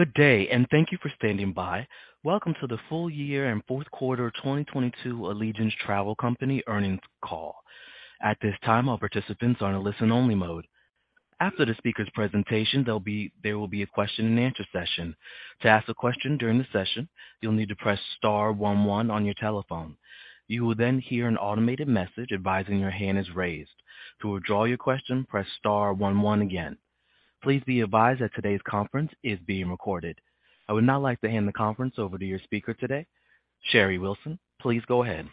Good day. Thank you for standing by. Welcome to the full year and fourth quarter 2022 Allegiant Travel Company earnings call. At this time, all participants are in a listen-only mode. After the speaker's presentation, there will be a question-and-answer session. To ask a question during the session, you'll need to press star one one on your telephone. You will hear an automated message advising your hand is raised. To withdraw your question, press star one one again. Please be advised that today's conference is being recorded. I would now like to hand the conference over to your speaker today, Sherry Wilson. Please go ahead.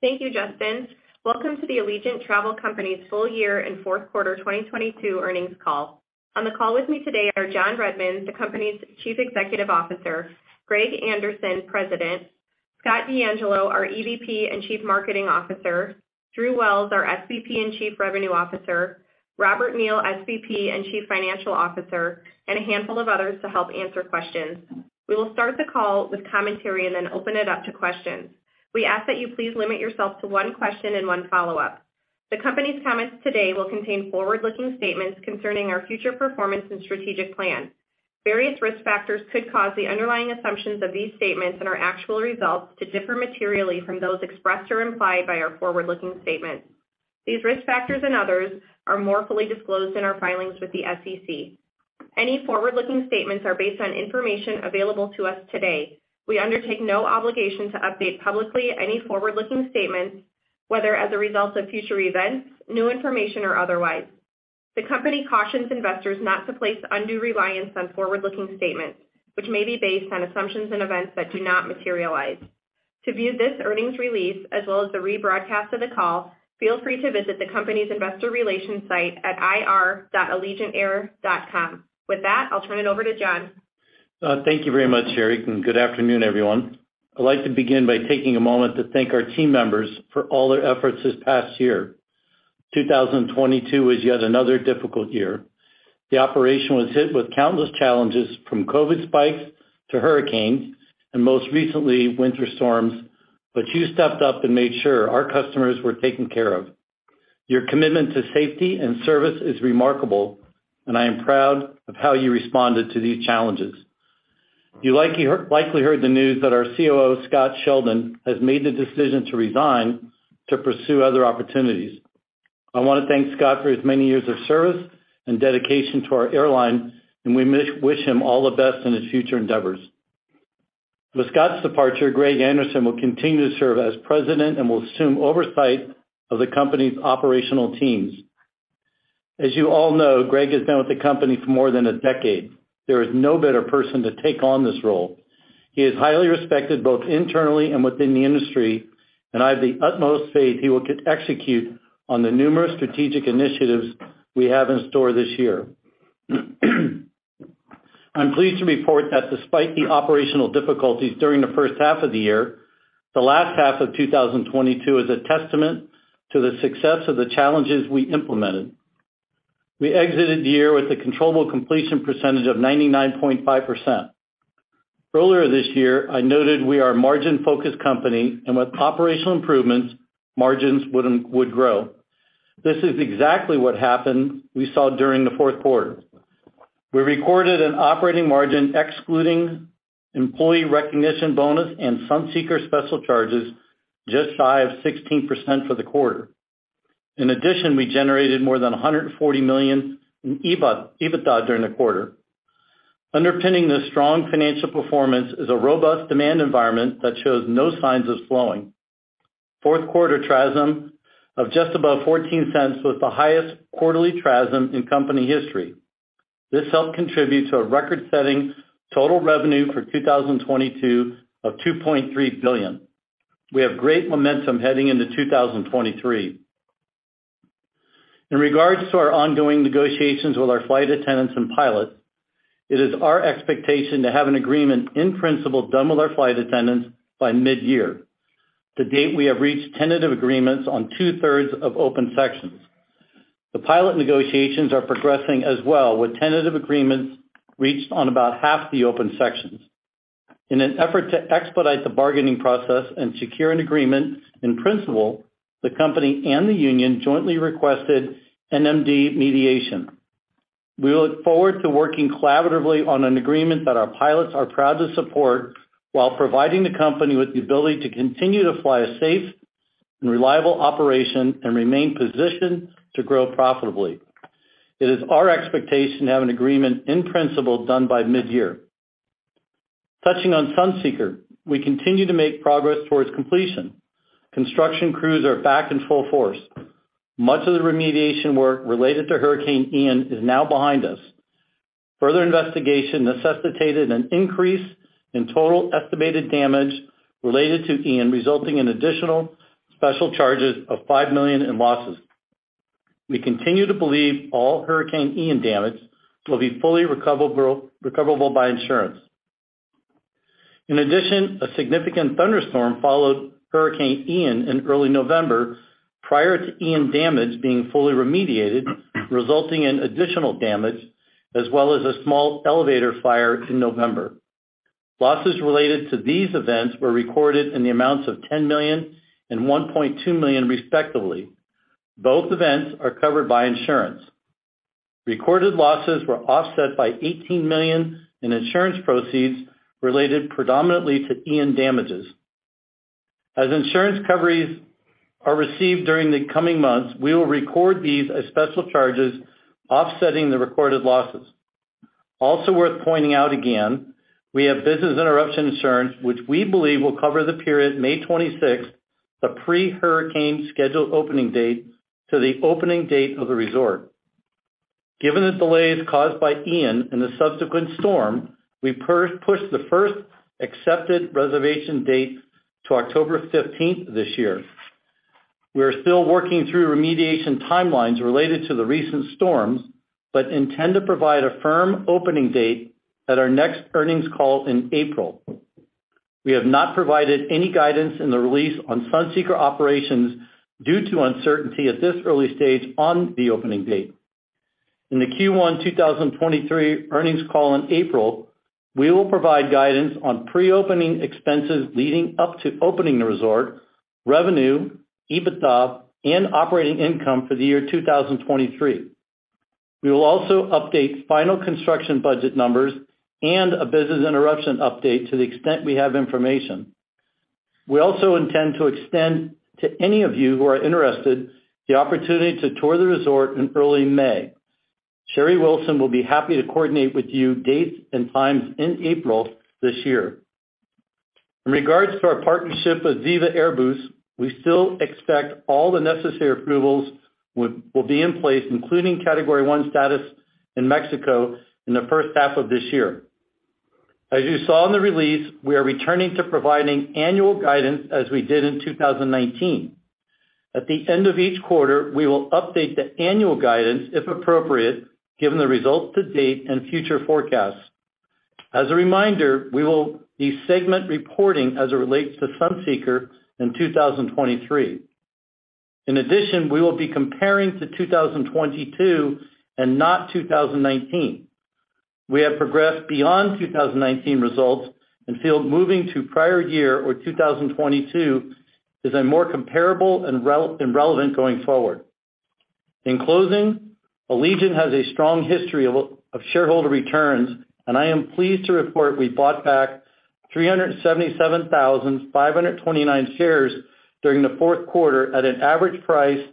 Thank you, Justin. Welcome to the Allegiant Travel Company's full year and fourth quarter 2022 earnings call. On the call with me today are John Redmond, the company's Chief Executive Officer, Greg Anderson, President, Scott DeAngelo, our EVP and Chief Marketing Officer, Drew Wells, our SVP and Chief Revenue Officer, Robert Neal, SVP and Chief Financial Officer, and a handful of others to help answer questions. We will start the call with commentary and then open it up to questions. We ask that you please limit yourself to one question and one follow-up. The company's comments today will contain forward-looking statements concerning our future performance and strategic plan. Various risk factors could cause the underlying assumptions of these statements and our actual results to differ materially from those expressed or implied by our forward-looking statements. These risk factors and others are more fully disclosed in our filings with the SEC. Any forward-looking statements are based on information available to us today. We undertake no obligation to update publicly any forward-looking statements, whether as a result of future events, new information, or otherwise. The company cautions investors not to place undue reliance on forward-looking statements which may be based on assumptions and events that do not materialize. To view this earnings release as well as the rebroadcast of the call, feel free to visit the company's investor relations site at ir.allegiantair.com. With that, I'll turn it over to John. Thank you very much, Sherry, and good afternoon, everyone. I'd like to begin by taking a moment to thank our team members for all their efforts this past year. 2022 was yet another difficult year. The operation was hit with countless challenges from COVID spikes to hurricanes, and most recently, winter storms, but you stepped up and made sure our customers were taken care of. Your commitment to safety and service is remarkable, and I am proud of how you responded to these challenges. You likely heard the news that our COO, Scott Sheldon, has made the decision to resign to pursue other opportunities. I wanna thank Scott for his many years of service and dedication to our airline, and we wish him all the best in his future endeavors. With Scott's departure, Greg Anderson will continue to serve as president and will assume oversight of the company's operational teams. As you all know, Greg has been with the company for more than a decade. There is no better person to take on this role. He is highly respected both internally and within the industry, and I have the utmost faith he will execute on the numerous strategic initiatives we have in store this year. I'm pleased to report that despite the operational difficulties during the first half of the year, the last half of 2022 is a testament to the success of the challenges we implemented. We exited the year with a controllable completion percentage of 99.5%. Earlier this year, I noted we are a margin-focused company and with operational improvements, margins would grow. This is exactly what happened we saw during the fourth quarter. We recorded an operating margin excluding employee recognition bonus and Sunseeker special charges just shy of 16% for the quarter. We generated more than $140 million in EBITDA during the quarter. Underpinning this strong financial performance is a robust demand environment that shows no signs of slowing. Fourth quarter TRASM of just above $0.14 was the highest quarterly TRASM in company history. This helped contribute to a record-setting total revenue for 2022 of $2.3 billion. We have great momentum heading into 2023. In regards to our ongoing negotiations with our flight attendants and pilots, it is our expectation to have an agreement in principle done with our flight attendants by mid-year. To date, we have reached tentative agreements on two-thirds of open sections. The pilot negotiations are progressing as well with tentative agreements reached on about half the open sections. In an effort to expedite the bargaining process and secure an agreement in principle, the company and the union jointly requested an NMB mediation. We look forward to working collaboratively on an agreement that our pilots are proud to support while providing the company with the ability to continue to fly a safe and reliable operation and remain positioned to grow profitably. It is our expectation to have an agreement in principle done by mid-year. Touching on Sunseeker, we continue to make progress towards completion. Construction crews are back in full force. Much of the remediation work related to Hurricane Ian is now behind us. Further investigation necessitated an increase in total estimated damage related to Ian, resulting in additional special charges of $5 million in losses. We continue to believe all Hurricane Ian damage will be fully recoverable by insurance. A significant thunderstorm followed Hurricane Ian in early November prior to Ian damage being fully remediated, resulting in additional damage as well as a small elevator fire in November. Losses related to these events were recorded in the amounts of $10 million and $1.2 million, respectively. Both events are covered by insurance. Recorded losses were offset by $18 million in insurance proceeds related predominantly to Ian damages. As insurance coveries are received during the coming months, we will record these as special charges offsetting the recorded losses. We have business interruption insurance which we believe will cover the period May 26th, the pre-hurricane scheduled opening date, to the opening date of the resort. Given the delays caused by Ian and the subsequent storm, we pushed the first accepted reservation date to October 15th this year. We are still working through remediation timelines related to the recent storms. We intend to provide a firm opening date at our next earnings call in April. We have not provided any guidance in the release on Sunseeker operations due to uncertainty at this early stage on the opening date. In the Q1 2023 earnings call in April, we will provide guidance on pre-opening expenses leading up to opening the resort, revenue, EBITDA and operating income for the year 2023. We will also update final construction budget numbers and a business interruption update to the extent we have information. We also intend to extend to any of you who are interested, the opportunity to tour the resort in early May. Sherry Wilson will be happy to coordinate with you dates and times in April this year. In regards to our partnership with Viva Aerobus, we still expect all the necessary approvals will be in place, including Category one status in Mexico in the first half of this year. As you saw in the release, we are returning to providing annual guidance as we did in 2019. At the end of each quarter, we will update the annual guidance if appropriate, given the results to date and future forecasts. As a reminder, we will be segment reporting as it relates to Sunseeker in 2023. We will be comparing to 2022, and not 2019. We have progressed beyond 2019 results feel moving to prior year or 2022 is a more comparable and relevant going forward. In closing, Allegiant has a strong history of shareholder returns, I am pleased to report we bought back 377,529 shares during the fourth quarter at an average price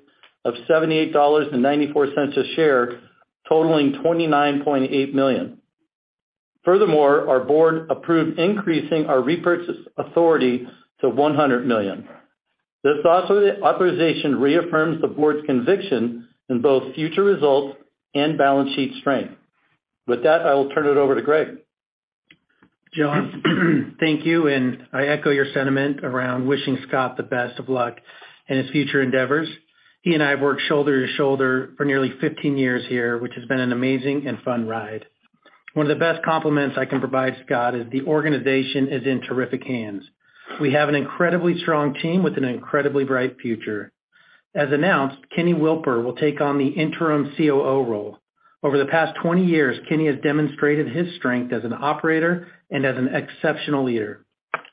of $78.94 a share, totaling $29.8 million. Furthermore, our board approved increasing our repurchase authority to $100 million. This authorization reaffirms the board's conviction in both future results and balance sheet strength. With that, I will turn it over to Greg. John, thank you. I echo your sentiment around wishing Scott the best of luck in his future endeavors. He and I have worked shoulder to shoulder for nearly 15 years here, which has been an amazing and fun ride. One of the best compliments I can provide Scott is the organization is in terrific hands. We have an incredibly strong team with an incredibly bright future. As announced, Keny Wilper will take on the interim COO role. Over the past 20 years, Kenny has demonstrated his strength as an operator and as an exceptional leader.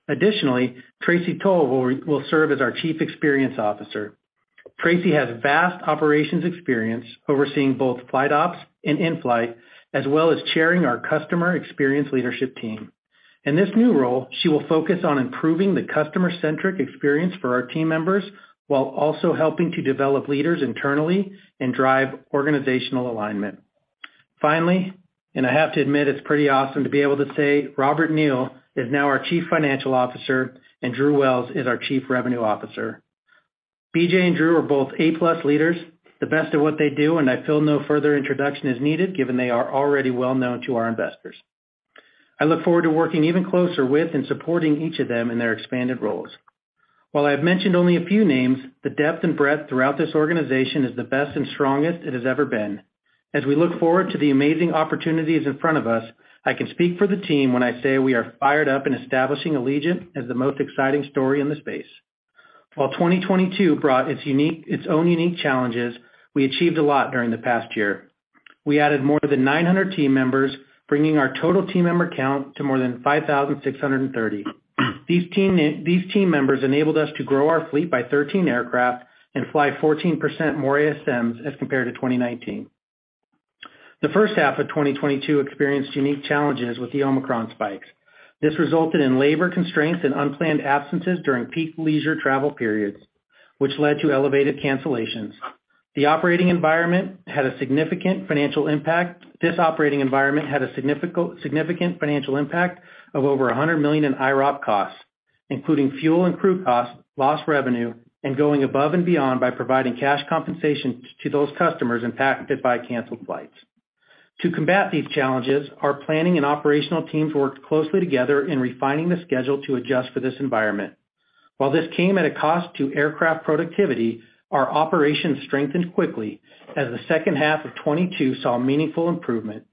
Additionally, Tracy Tulle will serve as our Chief Experience Officer. Tracy has vast operations experience overseeing both flight ops and in-flight, as well as chairing our customer experience leadership team. In this new role, she will focus on improving the customer-centric experience for our team members while also helping to develop leaders internally and drive organizational alignment. I have to admit it's pretty awesome to be able to say Robert Neal is now our Chief Financial Officer and Drew Wells is our Chief Revenue Officer. BJ and Drew are both A-plus leaders, the best at what they do, and I feel no further introduction is needed given they are already well known to our investors. I look forward to working even closer with and supporting each of them in their expanded roles. While I have mentioned only a few names, the depth and breadth throughout this organization is the best and strongest it has ever been. As we look forward to the amazing opportunities in front of us, I can speak for the team when I say we are fired up in establishing Allegiant as the most exciting story in the space. While 2022 brought its own unique challenges, we achieved a lot during the past year. We added more than 900 team members, bringing our total team member count to more than 5,630. These team members enabled us to grow our fleet by 13 aircraft and fly 14% more ASMs as compared to 2019. The first half of 2022 experienced unique challenges with the Omicron spikes. This resulted in labor constraints and unplanned absences during peak leisure travel periods, which led to elevated cancellations. This operating environment had a significant financial impact of over $100 million in IROP costs, including fuel and crew costs, lost revenue, and going above and beyond by providing cash compensation to those customers impacted by canceled flights. To combat these challenges, our planning and operational teams worked closely together in refining the schedule to adjust for this environment. While this came at a cost to aircraft productivity, our operations strengthened quickly as the second half of 2022 saw meaningful improvement.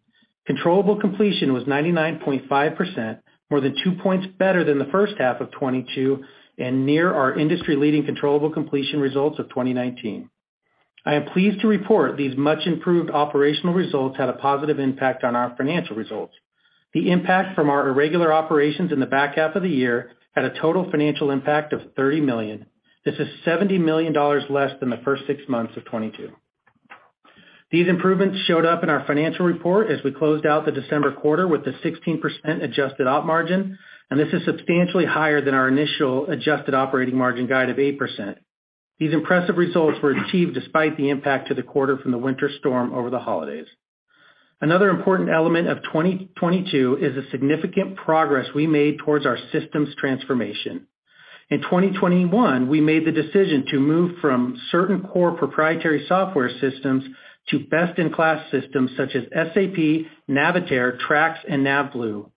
Controllable completion was 99.5%, more than 2 points better than the first half of 2022 and near our industry-leading controllable completion results of 2019. I am pleased to report these much improved operational results had a positive impact on our financial results. The impact from our irregular operations in the back half of the year had a total financial impact of $30 million. This is $70 million less than the first six months of 2022. These improvements showed up in our financial report as we closed out the December quarter with a 16% adjusted op margin, and this is substantially higher than our initial adjusted operating margin guide of 8%. These impressive results were achieved despite the impact to the quarter from the winter storm over the holidays. Another important element of 2022 is the significant progress we made towards our systems transformation. In 2021, we made the decision to move from certain core proprietary software systems to best-in-class systems such as SAP, Navitaire, Trax and NAVBLUE.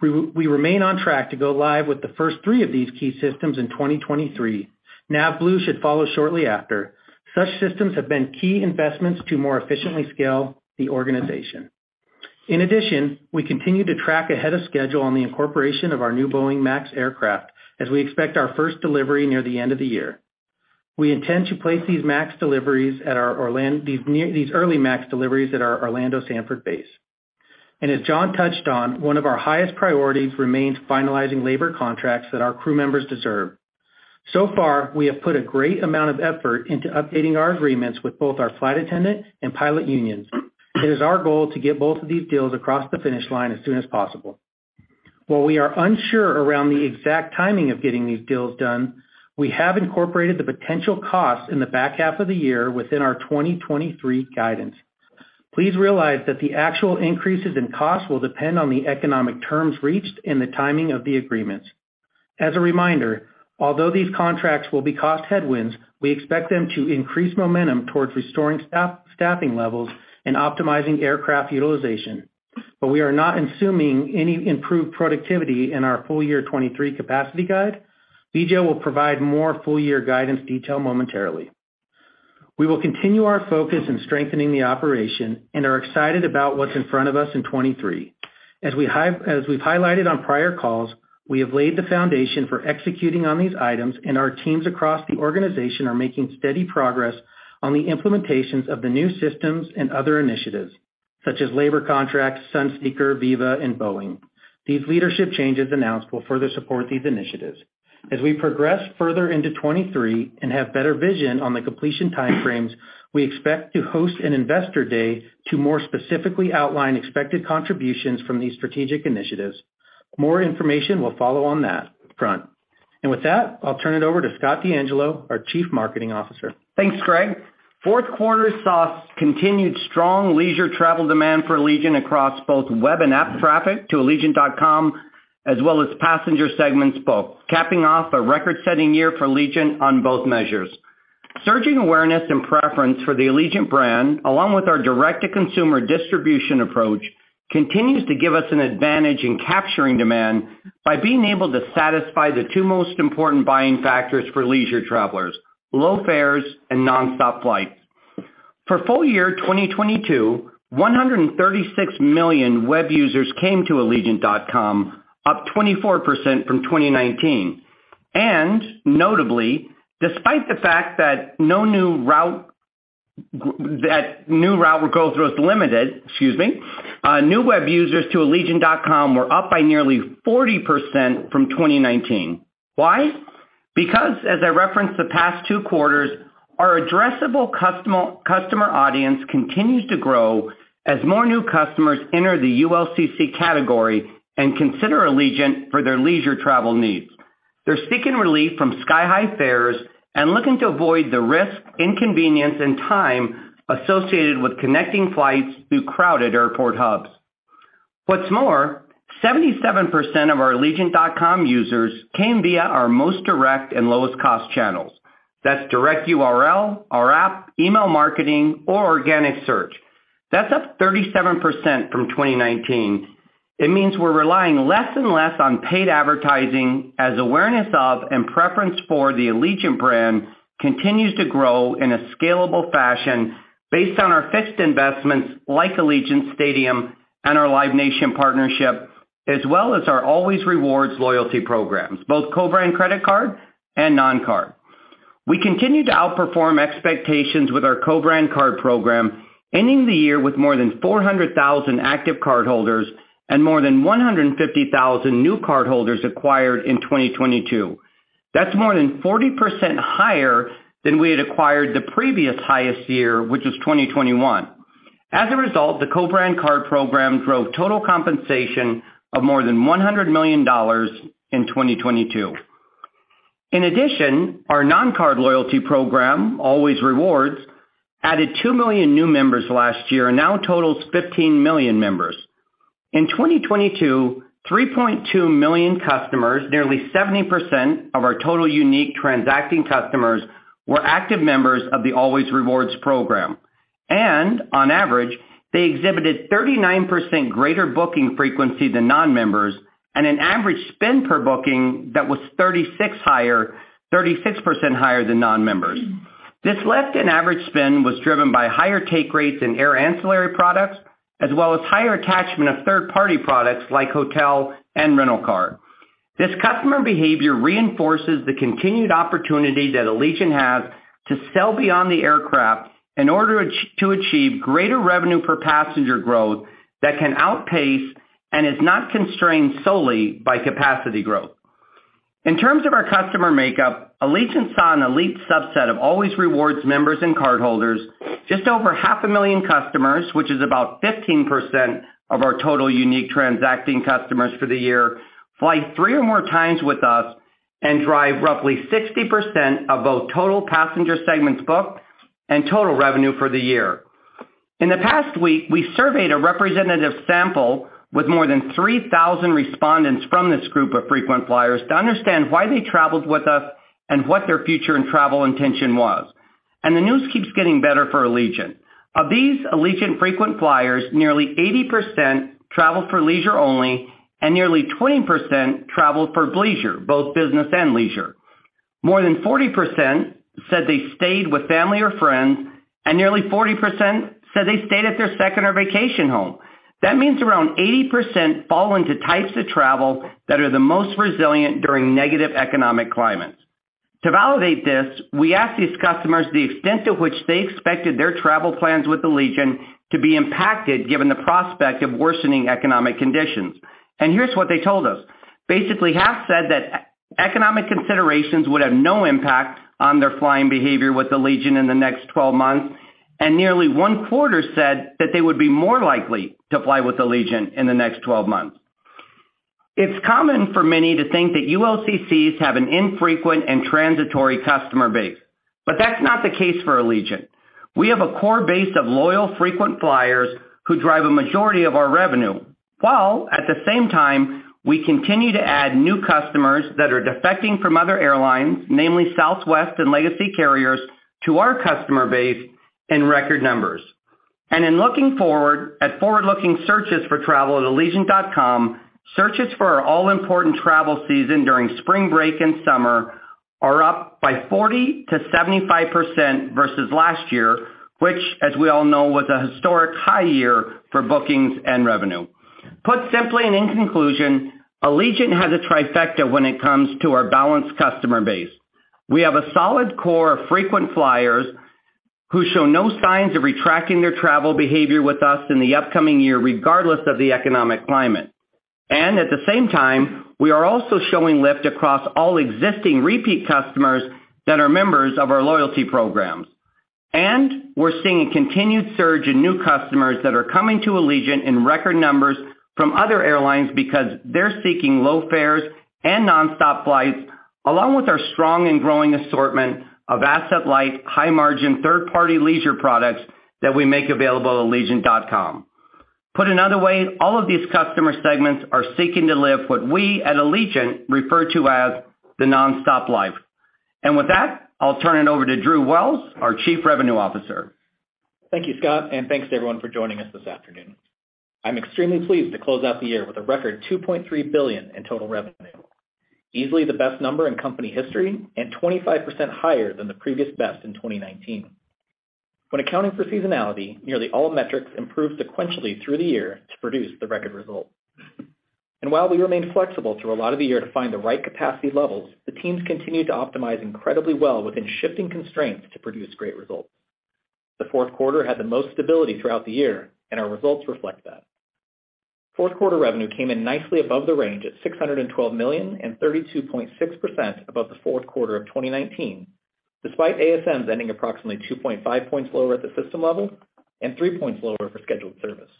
We remain on track to go live with the first three of these key systems in 2023. NAVBLUE should follow shortly after. Such systems have been key investments to more efficiently scale the organization. In addition, we continue to track ahead of schedule on the incorporation of our new Boeing MAX aircraft as we expect our first delivery near the end of the year. We intend to place these early MAX deliveries at our Orlando Sanford base. As John touched on, one of our highest priorities remains finalizing labor contracts that our crew members deserve. So far, we have put a great amount of effort into updating our agreements with both our flight attendant and pilot unions. It is our goal to get both of these deals across the finish line as soon as possible. While we are unsure around the exact timing of getting these deals done, we have incorporated the potential costs in the back half of the year within our 2023 guidance. Please realize that the actual increases in costs will depend on the economic terms reached and the timing of the agreements. As a reminder, although these contracts will be cost headwinds, we expect them to increase momentum towards restoring staffing levels and optimizing aircraft utilization. We are not assuming any improved productivity in our full year 2023 capacity guide. BJ will provide more full year guidance detail momentarily. We will continue our focus in strengthening the operation and are excited about what's in front of us in 2023. As we've highlighted on prior calls, we have laid the foundation for executing on these items, and our teams across the organization are making steady progress on the implementations of the new systems and other initiatives, such as labor contracts, Sunseeker, Viva and Boeing. These leadership changes announced will further support these initiatives. As we progress further into 2023 and have better vision on the completion time frames, we expect to host an investor day to more specifically outline expected contributions from these strategic initiatives. More information will follow on that front. With that, I'll turn it over to Scott DeAngelo, our Chief Marketing Officer. Thanks, Greg. Fourth quarter saw continued strong leisure travel demand for Allegiant across both web and app traffic to allegiant.com, as well as passenger segments booked, capping off a record-setting year for Allegiant on both measures. Surging awareness and preference for the Allegiant brand, along with our direct-to-consumer distribution approach, continues to give us an advantage in capturing demand by being able to satisfy the two most important buying factors for leisure travelers: low fares and nonstop flights. For full year 2022, 136 million web users came to allegiant.com, up 24% from 2019. Notably, despite the fact that new route growth was limited, excuse me, new web users to allegiant.com were up by nearly 40% from 2019. Why? As I referenced the past two quarters, our addressable customer audience continues to grow as more new customers enter the ULCC category and consider Allegiant for their leisure travel needs. They're seeking relief from sky-high fares and looking to avoid the risk, inconvenience, and time associated with connecting flights through crowded airport hubs. What's more, 77% of our allegiant.com users came via our most direct and lowest cost channels. That's direct URL, our app, email marketing, or organic search. That's up 37% from 2019. It means we're relying less and less on paid advertising as awareness of and preference for the Allegiant brand continues to grow in a scalable fashion based on our fixed investments like Allegiant Stadium and our Live Nation partnership, as well as our Allways Rewards loyalty programs, both co-brand credit card and non-card. We continue to outperform expectations with our co-brand card program, ending the year with more than 400,000 active cardholders and more than 150,000 new cardholders acquired in 2022. That's more than 40% higher than we had acquired the previous highest year, which was 2021. As a result, the co-brand card program drove total compensation of more than $100 million in 2022. In addition, our non-card loyalty program, Allways Rewards, added 2 million new members last year and now totals 15 million members. In 2022, 3.2 million customers, nearly 70% of our total unique transacting customers, were active members of the Allways Rewards program. On average, they exhibited 39% greater booking frequency than non-members and an average spend per booking that was 36% higher than non-members. This less than average spend was driven by higher take rates in air ancillary products, as well as higher attachment of third-party products like hotel and rental car. This customer behavior reinforces the continued opportunity that Allegiant has to sell beyond the aircraft in order to achieve greater revenue per passenger growth that can outpace and is not constrained solely by capacity growth. In terms of our customer makeup, Allegiant saw an elite subset of Allways Rewards members and cardholders. Just over half a million customers, which is about 15% of our total unique transacting customers for the year, fly three or more times with us and drive roughly 60% of both total passenger segments booked and total revenue for the year. In the past week, we surveyed a representative sample with more than 3,000 respondents from this group of frequent flyers to understand why they traveled with us and what their future in travel intention was. The news keeps getting better for Allegiant. Of these Allegiant frequent flyers, nearly 80% travel for leisure only, and nearly 20% travel for leisure, both business and leisure. More than 40% said they stayed with family or friends, and nearly 40% said they stayed at their second or vacation home. That means around 80% fall into types of travel that are the most resilient during negative economic climates. To validate this, we asked these customers the extent to which they expected their travel plans with Allegiant to be impacted given the prospect of worsening economic conditions. Here's what they told us. Basically, half said that economic considerations would have no impact on their flying behavior with Allegiant in the next 12 months, and nearly one-quarter said that they would be more likely to fly with Allegiant in the next 12 months. It's common for many to think that ULCCs have an infrequent and transitory customer base, but that's not the case for Allegiant. We have a core base of loyal frequent flyers who drive a majority of our revenue, while at the same time, we continue to add new customers that are defecting from other airlines, namely Southwest and Legacy carriers, to our customer base in record numbers. In looking forward at forward-looking searches for travel at allegiant.com, searches for our all-important travel season during spring break and summer are up by 40%-75% versus last year, which, as we all know, was a historic high year for bookings and revenue. Put simply and in conclusion, Allegiant has a trifecta when it comes to our balanced customer base. We have a solid core of frequent flyers who show no signs of retracting their travel behavior with us in the upcoming year, regardless of the economic climate. At the same time, we are also showing lift across all existing repeat customers that are members of our loyalty programs. We're seeing a continued surge in new customers that are coming to Allegiant in record numbers from other airlines because they're seeking low fares and nonstop flights, along with our strong and growing assortment of asset-light, high-margin third-party leisure products that we make available at allegiant.com. Put another way, all of these customer segments are seeking to live what we at Allegiant refer to as the nonstop life. With that, I'll turn it over to Drew Wells, our Chief Revenue Officer. Thank you, Scott, and thanks to everyone for joining us this afternoon. I'm extremely pleased to close out the year with a record $2.3 billion in total revenue, easily the best number in company history and 25% higher than the previous best in 2019. When accounting for seasonality, nearly all metrics improved sequentially through the year to produce the record result. While we remained flexible through a lot of the year to find the right capacity levels, the teams continued to optimize incredibly well within shifting constraints to produce great results. The fourth quarter had the most stability throughout the year, and our results reflect that. Fourth quarter revenue came in nicely above the range at $612 million and 32.6% above the fourth quarter of 2019, despite ASMs ending approximately 2.5 points lower at the system level and three points lower for scheduled service.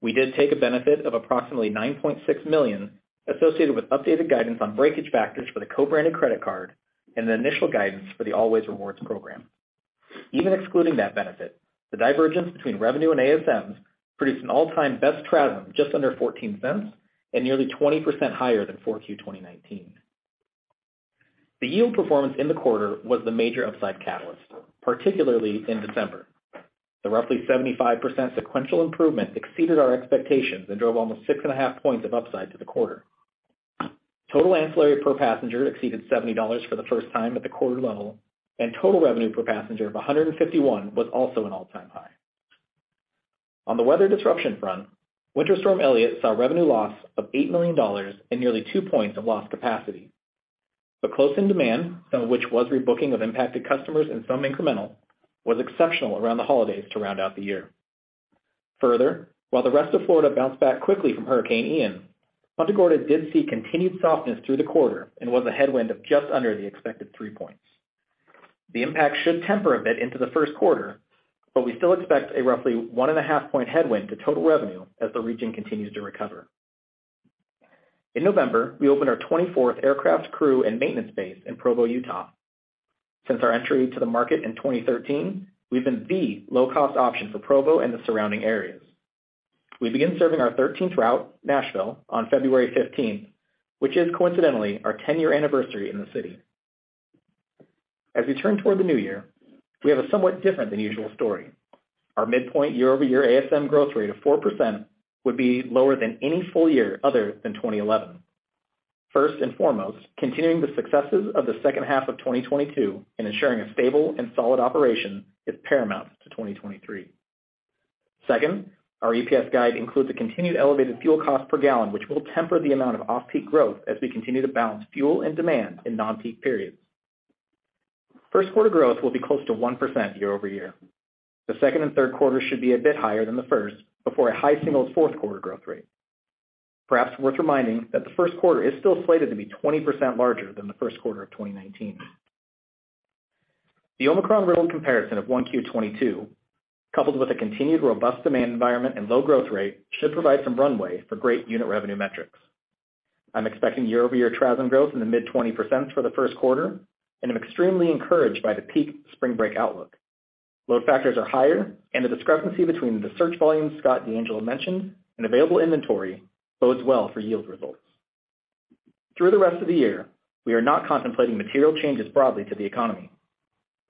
We did take a benefit of approximately $9.6 million associated with updated guidance on breakage factors for the co-branded credit card and the initial guidance for the Allways Rewards program. Even excluding that benefit, the divergence between revenue and ASMs produced an all-time best TRASM of just under $0.14 and nearly 20% higher than 4Q 2019. The yield performance in the quarter was the major upside catalyst, particularly in December. The roughly 75% sequential improvement exceeded our expectations and drove almost 6.5 points of upside to the quarter. Total ancillary per passenger exceeded $70 for the first time at the quarter level, and total revenue per passenger of 151 was also an all-time high. On the weather disruption front, Winter Storm Elliott saw revenue loss of $8 million and nearly two points of lost capacity. The close in demand, some of which was rebooking of impacted customers and some incremental, was exceptional around the holidays to round out the year. While the rest of Florida bounced back quickly from Hurricane Ian, Punta Gorda did see continued softness through the quarter and was a headwind of just under the expected three points. The impact should temper a bit into the first quarter, but we still expect a roughly 1.5 point headwind to total revenue as the region continues to recover. In November, we opened our 24th aircraft crew and maintenance base in Provo, Utah. Since our entry to the market in 2013, we've been the low-cost option for Provo and the surrounding areas. We begin serving our 13th route, Nashville, on February 15th, which is coincidentally our 10-year anniversary in the city. As we turn toward the new year, we have a somewhat different than usual story. Our midpoint year-over-year ASM growth rate of 4% would be lower than any full year other than 2011. First and foremost, continuing the successes of the second half of 2022 and ensuring a stable and solid operation is paramount to 2023. Second, our EPS guide includes a continued elevated fuel cost per gallon, which will temper the amount of off-peak growth as we continue to balance fuel and demand in non-peak periods. 1st quarter growth will be close to 1% year-over-year. The 2nd and 3rd quarters should be a bit higher than the 1st before a high single 4th quarter growth rate. Perhaps worth reminding that the 1st quarter is still slated to be 20% larger than the 1st quarter of 2019. The Omicron real comparison of 1Q22, coupled with a continued robust demand environment and low growth rate should provide some runway for great unit revenue metrics. I'm expecting year-over-year TRASM growth in the mid-20% for the 1st quarter, and I'm extremely encouraged by the peak spring break outlook. Load factors are higher, and the discrepancy between the search volume Scott DeAngelo mentioned and available inventory bodes well for yield results. Through the rest of the year, we are not contemplating material changes broadly to the economy.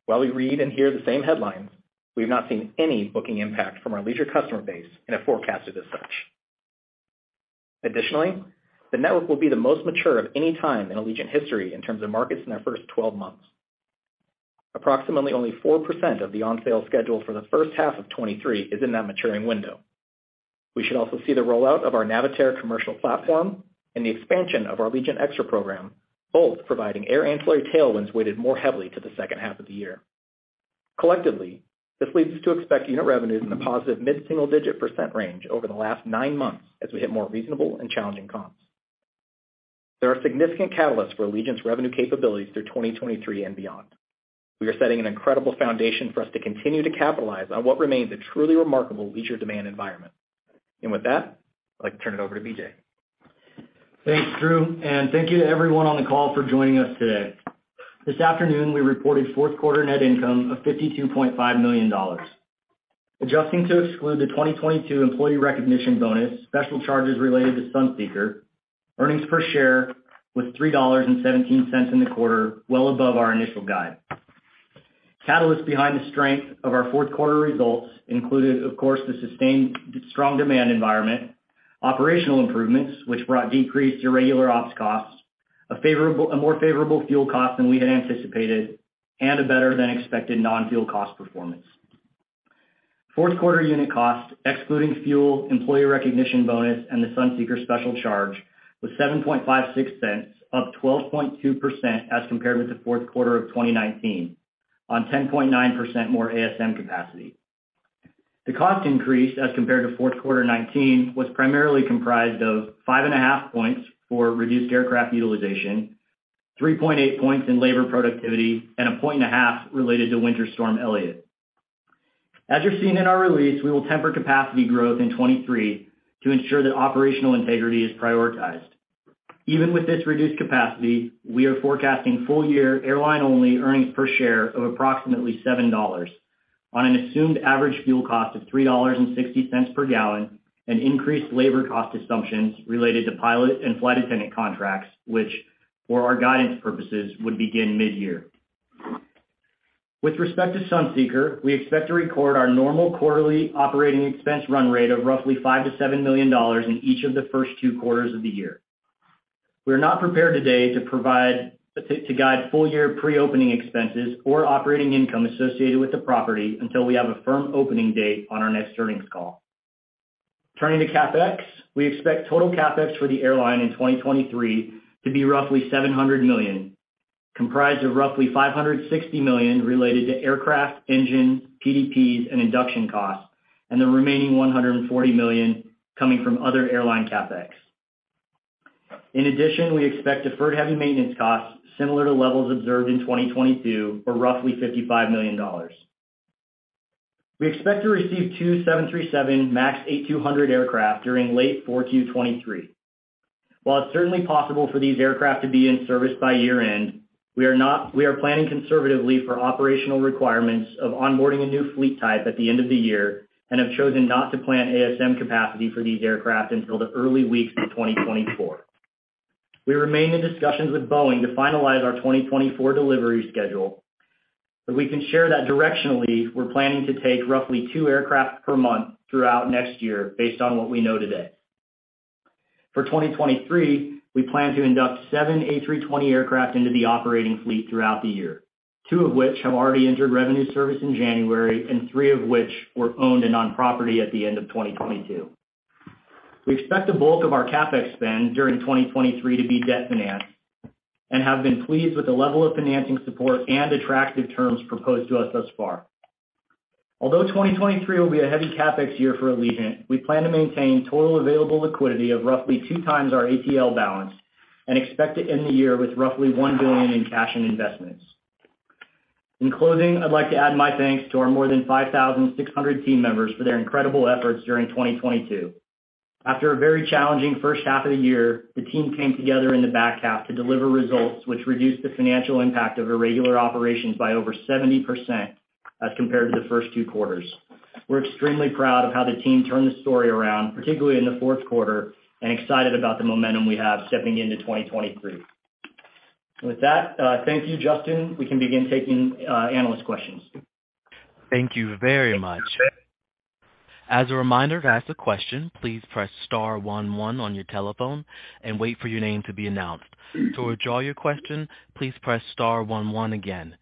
While we read and hear the same headlines, we've not seen any booking impact from our leisure customer base and have forecasted as such. Additionally, the network will be the most mature of any time in Allegiant history in terms of markets in our first twelve months. Approximately only 4% of the on-sale schedule for the first half of 2023 is in that maturing window. We should also see the rollout of our Navitaire commercial platform and the expansion of our Allegiant Extra program, both providing air ancillary tailwinds weighted more heavily to the second half of the year. Collectively, this leads to expect unit revenues in the positive mid-single digit % range over the last nine months as we hit more reasonable and challenging comps. There are significant catalysts for Allegiant's revenue capabilities through 2023 and beyond. We are setting an incredible foundation for us to continue to capitalize on what remains a truly remarkable leisure demand environment. With that, I'd like to turn it over to BJ. Thanks, Drew. Thank you to everyone on the call for joining us today. This afternoon we reported fourth quarter net income of $52.5 million. Adjusting to exclude the 2022 employee recognition bonus, special charges related to Sunseeker, earnings per share was $3.17 in the quarter, well above our initial guide. Catalyst behind the strength of our fourth quarter results included, of course, the sustained strong demand environment, operational improvements which brought decreased irregular ops costs, a more favorable fuel cost than we had anticipated, and a better than expected non-fuel cost performance. Fourth quarter unit cost excluding fuel, employee recognition bonus, and the Sunseeker special charge was $0.0756, up 12.2% as compared with the fourth quarter of 2019 on 10.9% more ASM capacity. The cost increase as compared to fourth quarter 2019 was primarily comprised of 5.5 points for reduced aircraft utilization, 3.8 points in labor productivity, and 1.5 points related to Winter Storm Elliott. As you're seeing in our release, we will temper capacity growth in 2023 to ensure that operational integrity is prioritized. Even with this reduced capacity, we are forecasting full year airline-only earnings per share of approximately $7 on an assumed average fuel cost of $3.60 per gallon and increased labor cost assumptions related to pilot and flight attendant contracts, which for our guidance purposes would begin mid-year. With respect to Sunseeker, we expect to record our normal quarterly operating expense run rate of roughly $5 million-$7 million in each of the first two quarters of the year. We are not prepared today to guide full year pre-opening expenses or operating income associated with the property until we have a firm opening date on our next earnings call. Turning to CapEx, we expect total CapEx for the airline in 2023 to be roughly $700 million, comprised of roughly $560 million related to aircraft, engine, PDPs, and induction costs, and the remaining $140 million coming from other airline CapEx. We expect deferred heavy maintenance costs similar to levels observed in 2022 or roughly $55 million. We expect to receive two 737 MAX 8-200 aircraft during late 4Q 2023. While it's certainly possible for these aircraft to be in service by year-end, we are planning conservatively for operational requirements of onboarding a new fleet type at the end of the year and have chosen not to plan ASM capacity for these aircraft until the early weeks of 2024. We remain in discussions with Boeing to finalize our 2024 delivery schedule. We can share that directionally we're planning to take roughly two aircraft per month throughout next year based on what we know today. For 2023, we plan to induct 7 A320 aircraft into the operating fleet throughout the year, two of which have already entered revenue service in January and three of which were owned and on property at the end of 2022. We expect the bulk of our CapEx spend during 2023 to be debt financed and have been pleased with the level of financing support and attractive terms proposed to us thus far. Although 2023 will be a heavy CapEx year for Allegiant, we plan to maintain total available liquidity of roughly 2x our ATL balance and expect to end the year with roughly $1 billion in cash and investments. In closing, I'd like to add my thanks to our more than 5,600 team members for their incredible efforts during 2022. After a very challenging first half of the year, the team came together in the back half to deliver results which reduced the financial impact of irregular operations by over 70% as compared to the first two quarters. We're extremely proud of how the team turned the story around, particularly in the fourth quarter, and excited about the momentum we have stepping into 2023. With that, thank you, Justin. We can begin taking analyst questions. Thank you very much. As a reminder, to ask a question, please press star one one on your telephone and wait for your name to be announced. To withdraw your question, please press star one one again.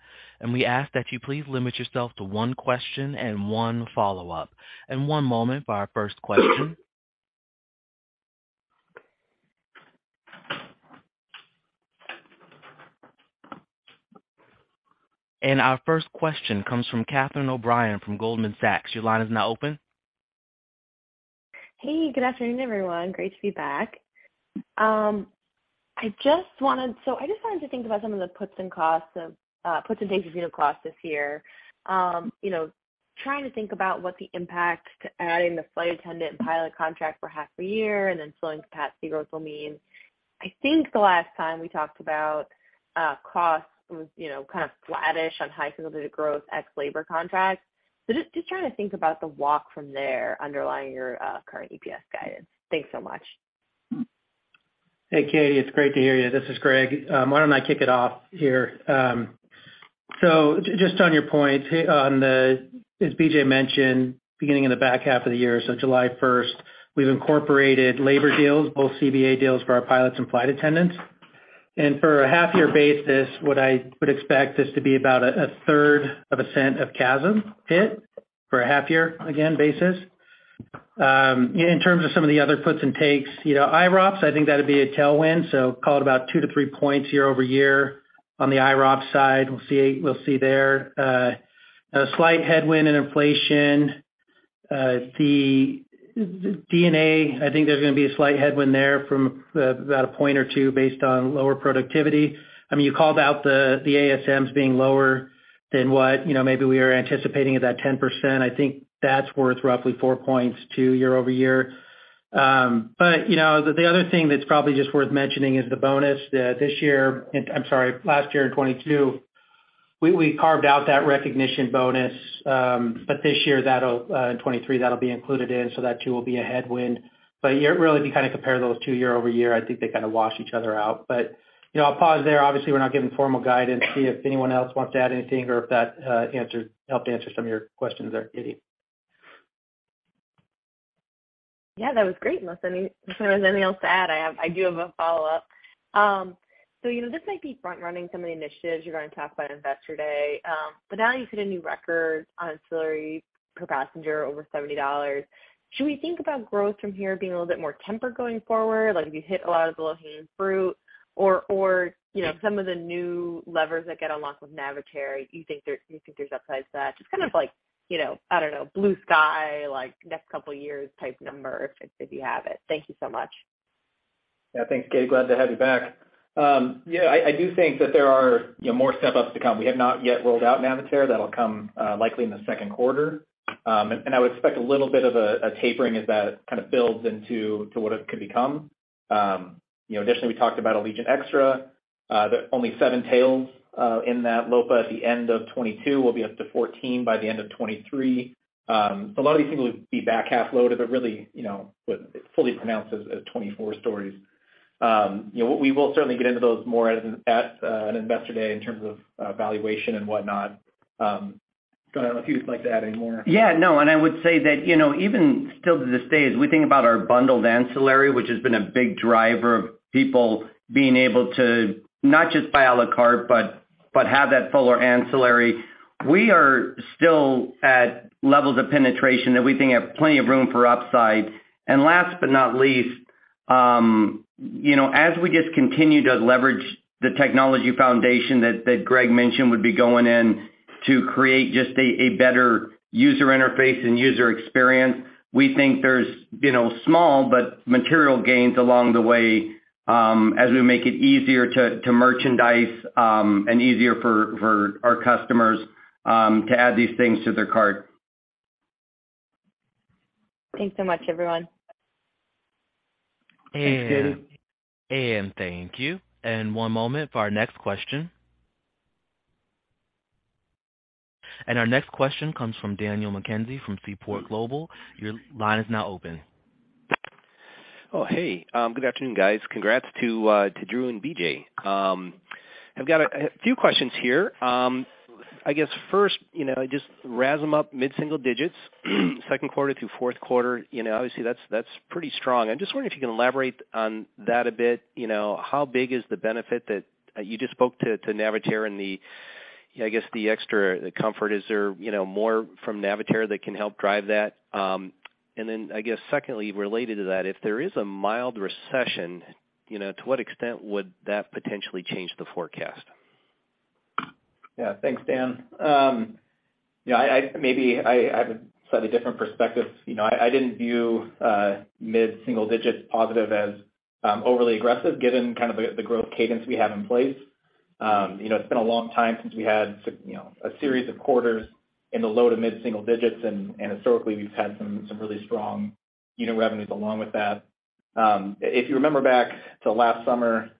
We ask that you please limit yourself to one question and one follow-up. One moment for our first question. Our first question comes from Catherine O'Brien from Goldman Sachs. Your line is now open. Hey, good afternoon, everyone. Great to be back. I just wanted to think about some of the puts and takes of costs this year. You know, trying to think about what the impact adding the flight attendant and pilot contract for half a year and then filling capacity growth will mean. I think the last time we talked about cost was, you know, kind of flattish on high single-digit growth ex labor contracts. Just trying to think about the walk from there underlying your current EPS guidance. Thanks so much. Hey, Catie. It's great to hear you. This is Greg. Why don't I kick it off here? Just on your point. As BJ mentioned, beginning in the back half of the year, so July 1st, we've incorporated labor deals, both CBA deals for our pilots and flight attendants. For a half year basis, what I would expect this to be about a third of a cent of CASM hit for a half year, again, basis. In terms of some of the other puts and takes, you know, IROPS, I think that'd be a tailwind, so call it about two to three points year-over-year on the IROPS side. We'll see there. A slight headwind in inflation. The D&A, I think there's gonna be a slight headwind there from about one or 2 two points based on lower productivity. I mean, you called out the ASMs being lower than what, you know, maybe we are anticipating at that 10%. I think that's worth roughly four points to year-over-year. You know, the other thing that's probably just worth mentioning is the bonus. This year, I'm sorry, last year in 2022, we carved out that recognition bonus, but this year that'll in 2023, that'll be included in, so that too will be a headwind. Really, if you kind of compare those two year-over-year, I think they kind of wash each other out. You know, I'll pause there. Obviously, we're not giving formal guidance. See if anyone else wants to add anything or if that helped answer some of your questions there, Catie. Yeah, that was great. Unless any, unless there was anything else to add, I do have a follow-up. you know, this might be front running some of the initiatives you're going to talk about Investor Day, but now you've hit a new record on ancillary per passenger over $70. Should we think about growth from here being a little bit more tempered going forward? Like, have you hit a lot of the low-hanging fruit or, you know, some of the new levers that get unlocked with Navitaire, you think there's upside to that? Just kind of like, you know, I don't know, blue sky, like next couple years type number, if you have it. Thank you so much. Thanks, Catie. Glad to have you back. I do think that there are, you know, more step-ups to come. We have not yet rolled out Navitaire. That'll come likely in the second quarter. I would expect a little bit of a tapering as that kind of builds into what it could become. You know, additionally, we talked about Allegiant Extra. There are only seven tails in that LOPA at the end of 2022. We'll be up to 14 by the end of 2023. A lot of these things will be back half loaded, but really, you know, fully pronounced as 2024 stories. You know, we will certainly get into those more as an Investor Day in terms of valuation and whatnot. Don't know if you'd like to add any more. Yeah, no. I would say that, you know, even still to this day, as we think about our bundled ancillary, which has been a big driver of people being able to not just buy à la carte, but have that fuller ancillary, we are still at levels of penetration that we think have plenty of room for upside. Last but not least, you know, as we just continue to leverage the technology foundation that Greg mentioned would be going in to create just a better user interface and user experience, we think there's, you know, small but material gains along the way, as we make it easier to merchandise, and easier for our customers to add these things to their cart. Thanks so much, everyone. Thanks, Catie. Thank you. One moment for our next question. Our next question comes from Daniel McKenzie from Seaport Global. Your line is now open. Oh, hey. Good afternoon, guys. Congrats to Drew and BJ. I've got a few questions here. I guess first, you know, just RASM up mid-single digits, second quarter through fourth quarter. You know, obviously that's pretty strong. I'm just wondering if you can elaborate on that a bit. You know, how big is the benefit that you just spoke to Navitaire and the, I guess, the extra comfort. Is there, you know, more from Navitaire that can help drive that? I guess secondly, related to that, if there is a mild recession, you know, to what extent would that potentially change the forecast? Yeah. Thanks, Dan. Yeah, maybe I have a slightly different perspective. You know, I didn't view mid-single digits positive as overly aggressive given kind of the growth cadence we have in place. You know, it's been a long time since we had you know, a series of quarters in the low to mid-single digits, and historically, we've had some really strong unit revenues along with that. If you remember back to last summer,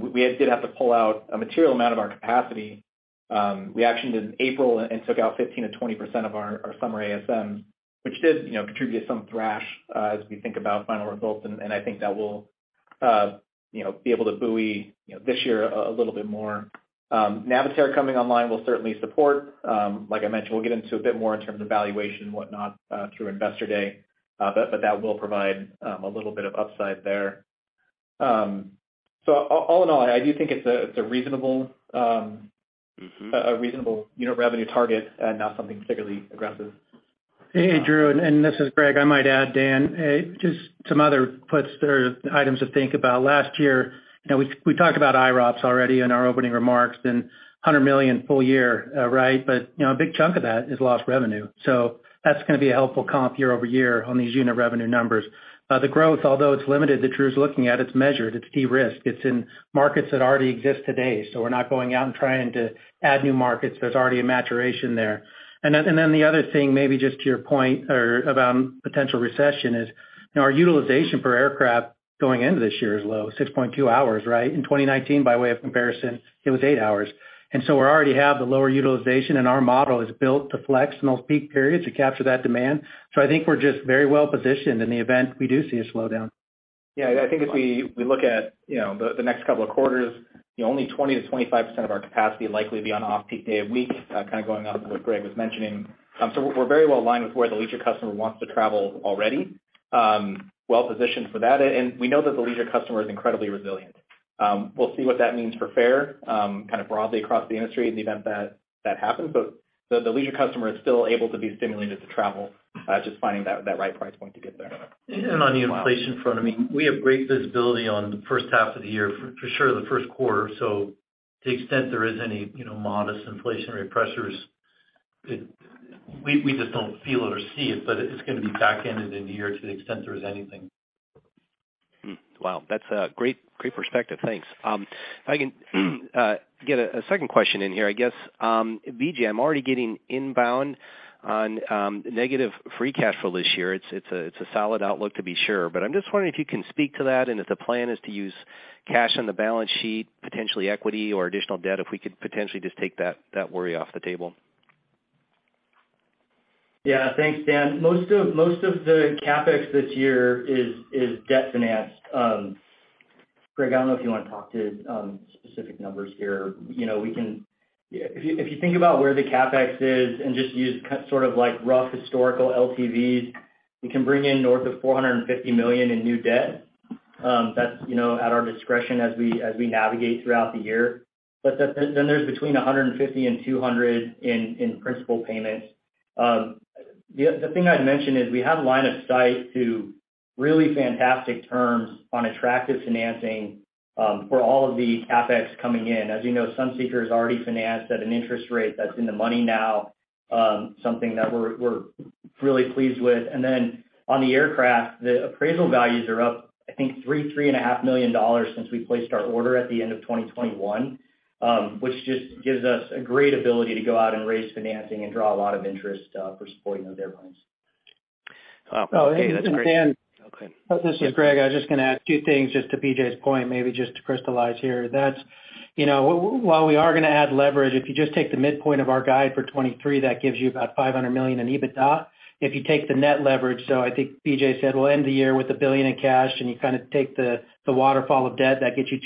we did have to pull out a material amount of our capacity. We actioned in April and took out 15%-20% of our summer ASMs, which did, you know, contribute some thrash as we think about final results, and I think that will, you know, be able to buoy, you know, this year a little bit more. Navitaire coming online will certainly support. Like I mentioned, we'll get into a bit more in terms of valuation and whatnot through Investor Day, but that will provide a little bit of upside there. All in all, I do think it's a reasonable. A reasonable unit revenue target and not something significantly aggressive. Hey, Drew, this is Greg. I might add, Dan, just some other puts or items to think about. Last year, you know, we talked about IROPS already in our opening remarks, $100 million full year, right? You know, a big chunk of that is lost revenue. That's gonna be a helpful comp year-over-year on these unit revenue numbers. The growth, although it's limited, that Drew's looking at, it's measured, it's de-risked. It's in markets that already exist today, so we're not going out and trying to add new markets. There's already a maturation there. The other thing, maybe just to your point or about potential recession is, you know, our utilization per aircraft going into this year is low, 6.2 hours, right? In 2019, by way of comparison, it was eight hours. We already have the lower utilization, and our model is built to flex in those peak periods to capture that demand. I think we're just very well positioned in the event we do see a slowdown. Yeah, I think if we look at, you know, the next couple of quarters, you know, only 20%-25% of our capacity will likely be on an off-peak day of week, kind of going off what Greg was mentioning. We're very well aligned with where the leisure customer wants to travel already, well positioned for that. And we know that the leisure customer is incredibly resilient. We'll see what that means for fare, kind of broadly across the industry in the event that that happens. The leisure customer is still able to be stimulated to travel, just finding that right price point to get there. On the inflation front, I mean, we have great visibility on the first half of the year, for sure the first quarter. To the extent there is any, you know, modest inflationary pressures, we just don't feel it or see it, but it's gonna be back-ended in the year to the extent there is anything. Wow. That's great perspective. Thanks. If I can get a second question in here, I guess, BJ, I'm already getting inbound on negative free cash flow this year. It's a solid outlook to be sure. I'm just wondering if you can speak to that and if the plan is to use cash on the balance sheet, potentially equity or additional debt, if we could potentially just take that worry off the table. Yeah. Thanks, Dan. Most of the CapEx this year is debt financed. Greg, I don't know if you wanna talk to specific numbers here. You know, we can If you think about where the CapEx is and just use sort of like rough historical LTVs, we can bring in north of $450 million in new debt. That's, you know, at our discretion as we navigate throughout the year. Then there's between $150-$200 in principal payments. The thing I'd mention is we have line of sight to really fantastic terms on attractive financing for all of the CapEx coming in. As you know, Sunseeker is already financed at an interest rate that's in the money now, something that we're really pleased with. On the aircraft, the appraisal values are up, I think, three and a half million dollars since we placed our order at the end of 2021, which just gives us a great ability to go out and raise financing and draw a lot of interest, for supporting those airplanes. Wow. Okay. That's great. Oh, hey, this is Dan. Oh, okay. This is Greg. Yeah. I was just gonna add two things just to BJ's point, maybe just to crystallize here. That's, you know, while we are gonna add leverage, if you just take the midpoint of our guide for 2023, that gives you about $500 million in EBITDA. If you take the net leverage, so I think BJ said we'll end the year with $1 billion in cash, and you kind of take the waterfall of debt, that gets you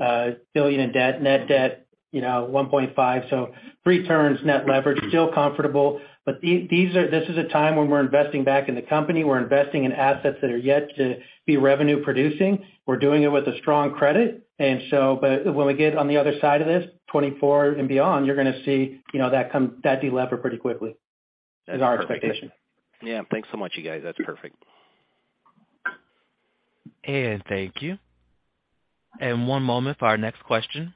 $2.5 billion in debt, net debt, you know, $1.5. Pre-terms net leverage, still comfortable. This is a time when we're investing back in the company. We're investing in assets that are yet to be revenue producing. We're doing it with a strong credit. When we get on the other side of this, 2024 and beyond, you're gonna see, you know, that delever pretty quickly, is our expectation. That's perfect. Yeah. Thanks so much, you guys. That's perfect. Thank you. One moment for our next question.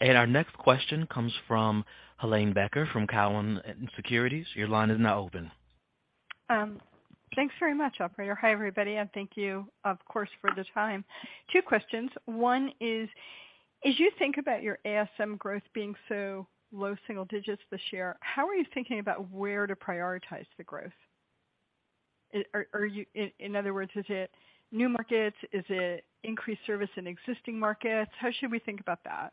Our next question comes from Helane Becker from Cowen Securities. Your line is now open. Thanks very much, operator. Hi, everybody, and thank you, of course, for the time. Two questions. One is, as you think about your ASM growth being so low single digits this year, how are you thinking about where to prioritize the growth? Are you In other words, is it new markets? Is it increased service in existing markets? How should we think about that?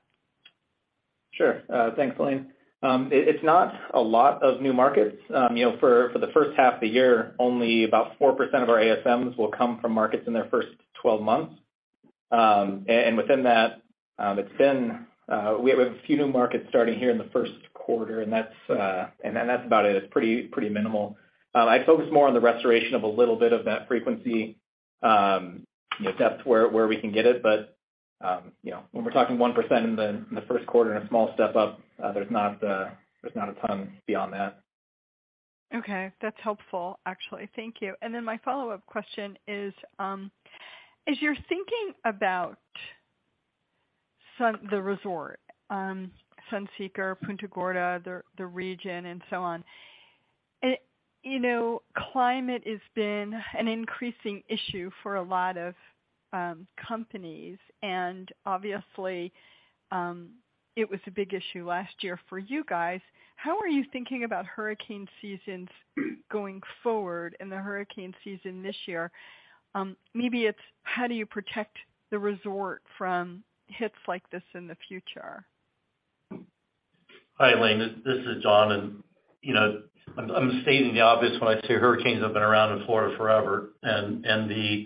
Sure. Thanks, Helane. It's not a lot of new markets. You know, for the first half of the year, only about 4% of our ASMs will come from markets in their first 12 months. Within that, We have a few new markets starting here in the first quarter, and that's, then that's about it. It's pretty minimal. I'd focus more on the restoration of a little bit of that frequency, you know, depth where we can get it. You know, when we're talking 1% in the first quarter and a small step up, there's not a ton beyond that. Okay. That's helpful, actually. Thank you. My follow-up question is, as you're thinking about the resort, Sunseeker, Punta Gorda, the region and so on, you know, climate has been an increasing issue for a lot of companies, and obviously, it was a big issue last year for you guys. How are you thinking about hurricane seasons going forward and the hurricane season this year? Maybe it's how do you protect the resort from hits like this in the future? Hi, Helane. This is John. You know, I'm stating the obvious when I say hurricanes have been around in Florida forever. And the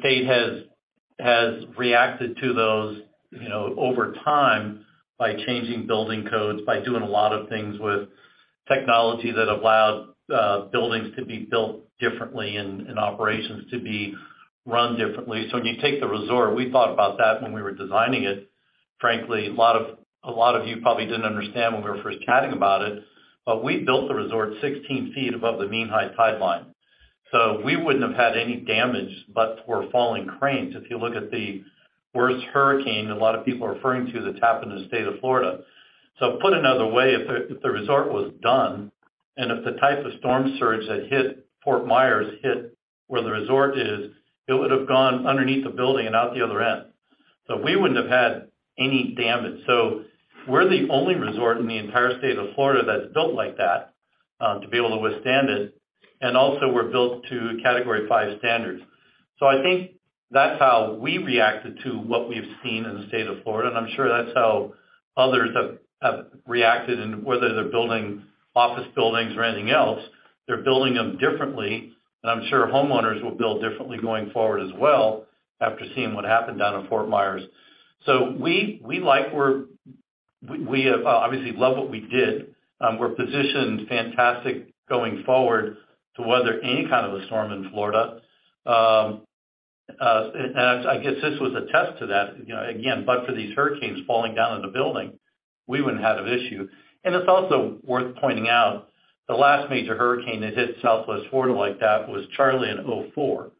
state has reacted to those, you know, over time by changing building codes, by doing a lot of things with technology that allowed buildings to be built differently and operations to be run differently. When you take the resort, we thought about that when we were designing it. Frankly, a lot of you probably didn't understand when we were first chatting about it, but we built the resort 16 feet above the mean high tide line. We wouldn't have had any damage, but for falling cranes. If you look at the worst hurricane, a lot of people are referring to that's happened in the state of Florida. Put another way, if the resort was done and if the type of storm surge that hit Fort Myers hit where the resort is, it would have gone underneath the building and out the other end. We wouldn't have had any damage. We're the only resort in the entire state of Florida that's built like that to be able to withstand it. Also we're built to Category Five standards. I think that's how we reacted to what we've seen in the state of Florida, I'm sure that's how others have reacted in whether they're building office buildings or anything else, they're building them differently. I'm sure homeowners will build differently going forward as well after seeing what happened down in Fort Myers. We like where. We have obviously love what we did. We're positioned fantastic going forward to weather any kind of a storm in Florida. I guess this was a test to that, you know, again, but for these hurricanes falling down on the building, we wouldn't have an issue. It's also worth pointing out the last major hurricane that hit Southwest Florida like that was Charlie in 2004.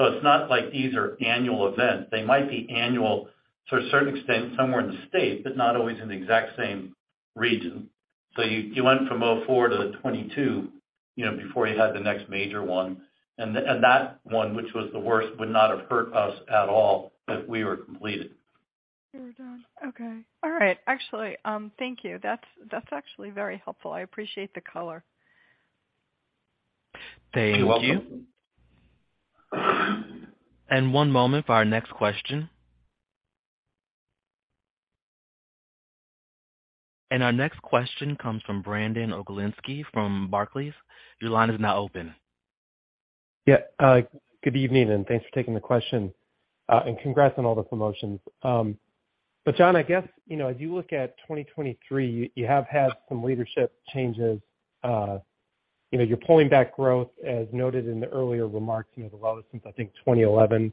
It's not like these are annual events. They might be annual to a certain extent somewhere in the state, but not always in the exact same region. You went from 2004 to 2022, you know, before you had the next major one. That one, which was the worst, would not have hurt us at all if we were completed. You're done. Okay. All right. Actually, thank you. That's actually very helpful. I appreciate the color. You're welcome. Thank you. One moment for our next question. Our next question comes from Brandon Oglenski from Barclays. Your line is now open. Yeah. Good evening, and thanks for taking the question. Congrats on all the promotions. John, I guess, you know, as you look at 2023, you have had some leadership changes. You know, you're pulling back growth, as noted in the earlier remarks, you know, the lowest since I think 2011.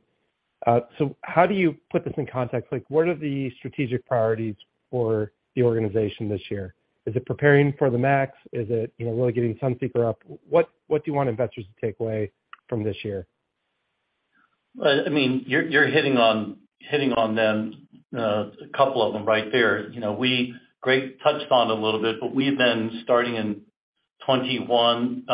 How do you put this in context? Like, what are the strategic priorities for the organization this year? Is it preparing for the MAX? Is it, you know, really getting Sunseeker up? What, what do you want investors to take away from this year? I mean, you're hitting on them, a couple of them right there. You know, Greg touched on it a little bit, but we've been starting in 2021.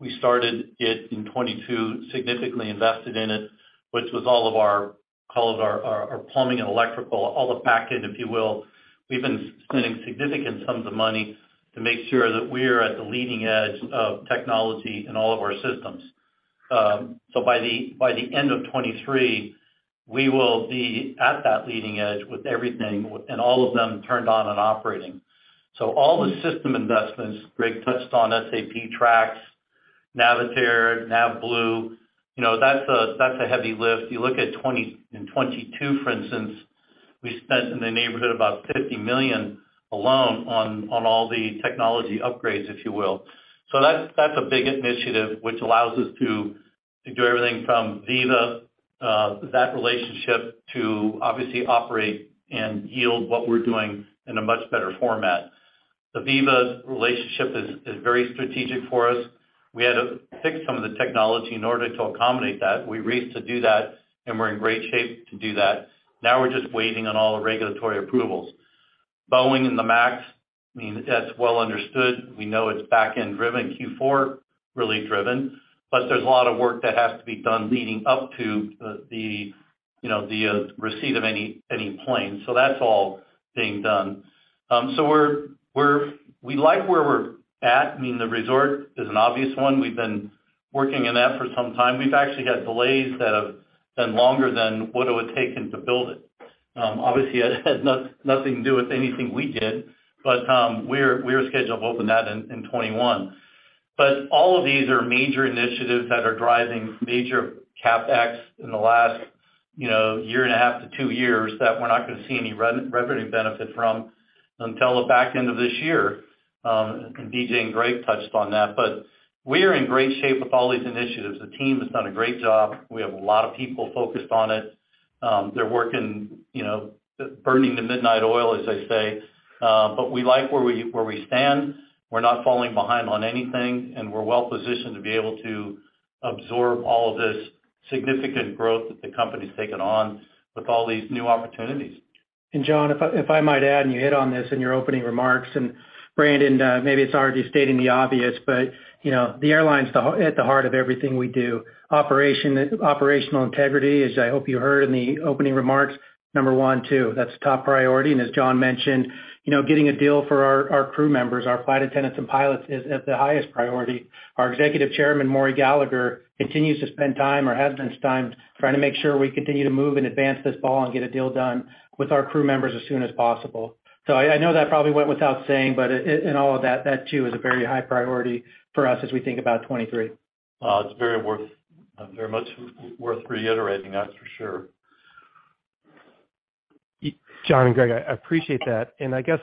We started it in 2022, significantly invested in it, which was all of our plumbing and electrical, all the back end, if you will. We've been spending significant sums of money to make sure that we're at the leading edge of technology in all of our systems. By the end of 2023, we will be at that leading edge with everything and all of them turned on and operating. All the system investments, Greg touched on SAP, Trax, Navitaire, NAVBLUE, you know, that's a heavy lift. You look at in 2022, for instance, we spent in the neighborhood about $50 million alone on all the technology upgrades, if you will. That's a big initiative which allows us to do everything from Viva, that relationship to obviously operate and yield what we're doing in a much better format. The Viva relationship is very strategic for us. We had to fix some of the technology in order to accommodate that. We raced to do that, and we're in great shape to do that. Now we're just waiting on all the regulatory approvals. Boeing and the MAX, I mean, that's well understood. We know it's back-end driven, Q4 really driven. There's a lot of work that has to be done leading up to the, you know, receipt of any plane. That's all being done. We like where we're at. I mean, the resort is an obvious one. We've been working in that for some time. We've actually had delays that have been longer than what it would have taken to build it. Obviously, it had nothing to do with anything we did, but we were scheduled to open that in 2021. All of these are major initiatives that are driving major CapEx in the last, you know, 1.5 to 2 years that we're not gonna see any re-revenue benefit from until the back end of this year. BJ and Greg touched on that. We are in great shape with all these initiatives. The team has done a great job. We have a lot of people focused on it. They're working, you know, burning the midnight oil, as they say. We like where we stand. We're not falling behind on anything, and we're well-positioned to be able to absorb all of this significant growth that the company's taken on with all these new opportunities. John, if I might add, and you hit on this in your opening remarks, and Brandon, maybe it's already stating the obvious, but, you know, the airline's at the heart of everything we do. Operational integrity, as I hope you heard in the opening remarks, number one, too. That's top priority. As John mentioned, you know, getting a deal for our crew members, our flight attendants and pilots is at the highest priority. Our Executive Chairman, Maury Gallagher, continues to spend time or has been spending time trying to make sure we continue to move and advance this ball and get a deal done with our crew members as soon as possible. I know that probably went without saying, but in all of that too is a very high priority for us as we think about 2023. Well, it's very much worth reiterating, that's for sure. John and Greg, I appreciate that. I guess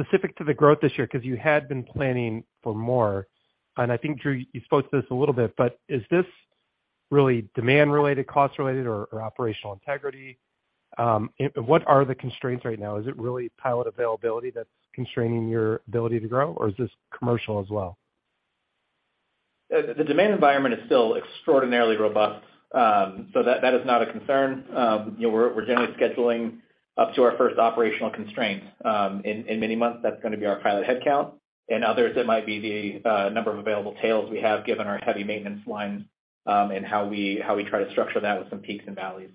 specific to the growth this year, because you had been planning for more, and I think, Drew, you spoke to this a little bit, but is this really demand related, cost related, or operational integrity? What are the constraints right now? Is it really pilot availability that's constraining your ability to grow, or is this commercial as well? The demand environment is still extraordinarily robust, so that is not a concern. You know, we're generally scheduling up to our first operational constraint in many months. That's going to be our pilot headcount. In others, it might be the number of available tails we have given our heavy maintenance lines, and how we try to structure that with some peaks and valleys.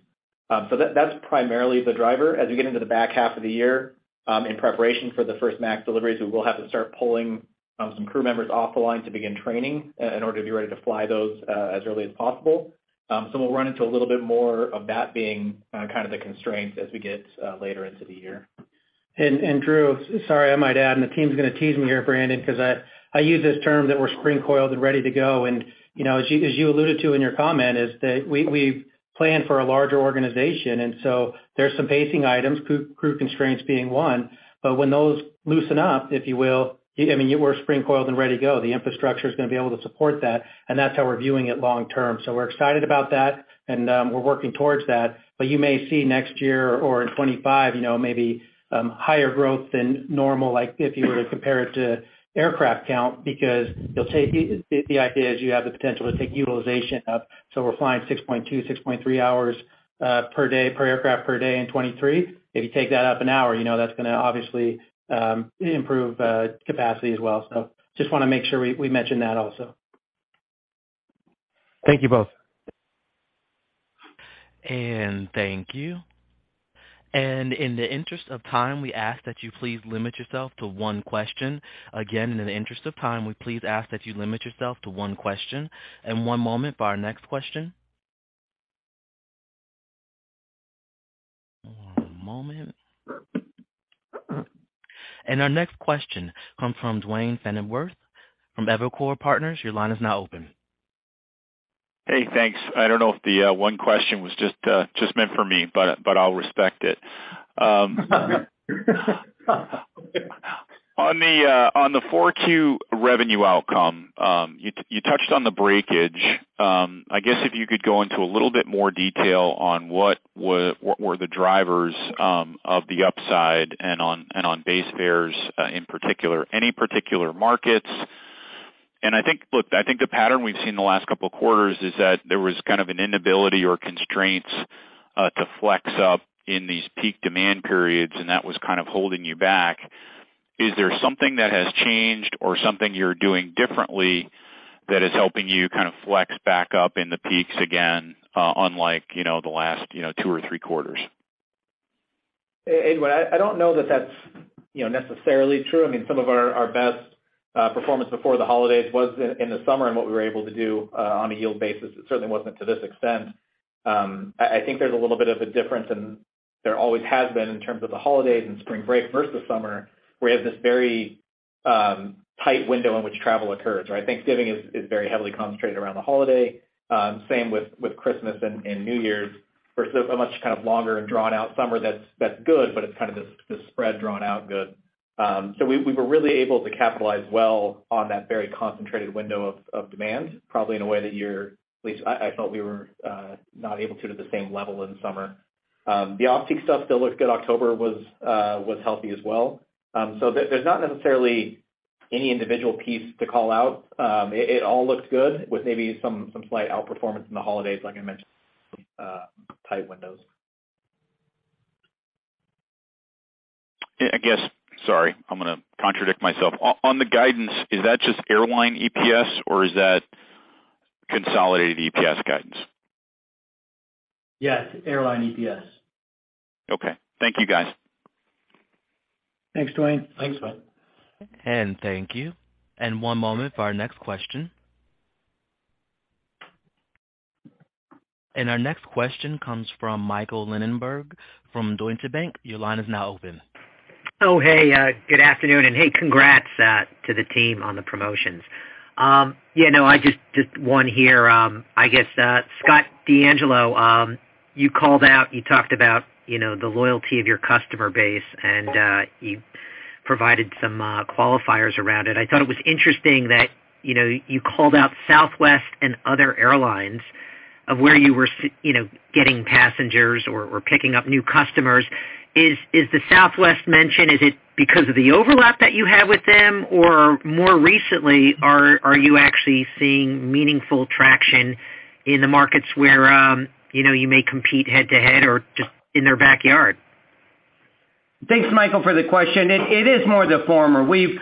That's primarily the driver. As we get into the back half of the year, in preparation for the first MAX deliveries, we will have to start pulling some crew members off the line to begin training in order to be ready to fly those as early as possible. We'll run into a little bit more of that being, kind of the constraint as we get later into the year. Drew, sorry, I might add, the team's going to tease me here, Brandon, because I use this term that we're spring coiled and ready to go. You know, as you, as you alluded to in your comment is that we plan for a larger organization, so there's some pacing items, crew constraints being one. When those loosen up, if you will, I mean, we're spring coiled and ready to go. The infrastructure is going to be able to support that, and that's how we're viewing it long term. We're excited about that and we're working towards that. You may see next year or in 25, you know, maybe higher growth than normal, like if you were to compare it to aircraft count, because the idea is you have the potential to take utilization up. We're flying 6.2, 6.3 hours, per aircraft per day in 2023. If you take that up 1 hour, you know that's going to obviously, improve, capacity as well. Just want to make sure we mention that also. Thank you both. Thank you. In the interest of time, we ask that you please limit yourself to one question. Again, in the interest of time, we please ask that you limit yourself to one question. One moment for our next question. Our next question comes from Duane Pfennigwerth from Evercore. Your line is now open. Hey, thanks. I don't know if the one question was just meant for me, but I'll respect it. On the 4Q revenue outcome, you touched on the breakage. I guess if you could go into a little bit more detail on what were the drivers of the upside and on base fares in particular, any particular markets. I think the pattern we've seen the last couple of quarters is that there was kind of an inability or constraints to flex up in these peak demand periods, and that was kind of holding you back. Is there something that has changed or something you're doing differently that is helping you kind of flex back up in the peaks again, unlike, you know, the last, you know, two or three quarters? Hey, Duane, I don't know that that's, you know, necessarily true. I mean, some of our best performance before the holidays was in the summer and what we were able to do on a yield basis. It certainly wasn't to this extent. I think there's a little bit of a difference, and there always has been in terms of the holidays and spring break versus summer, where you have this very tight window in which travel occurs, right? Thanksgiving is very heavily concentrated around the holiday. Same with Christmas and New Year's versus a much kind of longer and drawn out summer that's good, but it's kind of this spread drawn out good. We, we were really able to capitalize well on that very concentrated window of demand, probably in a way that you're at least I felt we were not able to at the same level in the summer. The off-peak stuff still looked good. October was healthy as well. There, there's not necessarily any individual piece to call out. It, it all looks good with maybe some slight outperformance in the holidays, like I mentioned, tight windows. Sorry, I'm going to contradict myself. On the guidance, is that just airline EPS or is that consolidated EPS guidance? Yes, airline EPS. Okay. Thank you, guys. Thanks, Duane. Thanks, Duane. Thank you. One moment for our next question. Our next question comes from Michael Linenberg from Deutsche Bank. Your line is now open. Hey, good afternoon. Hey, congrats to the team on the promotions. Yeah, no, I just one here. I guess, Scott DeAngelo, you called out, you talked about, you know, the loyalty of your customer base, and you provided some qualifiers around it. I thought it was interesting that, you know, you called out Southwest and other airlines of where you were, you know, getting passengers or picking up new customers. Is, is the Southwest mention, is it because of the overlap that you have with them, or more recently, are you actually seeing meaningful traction in the markets where, you know, you may compete head to head or just in their backyard? Thanks, Michael, for the question. It is more the former. We've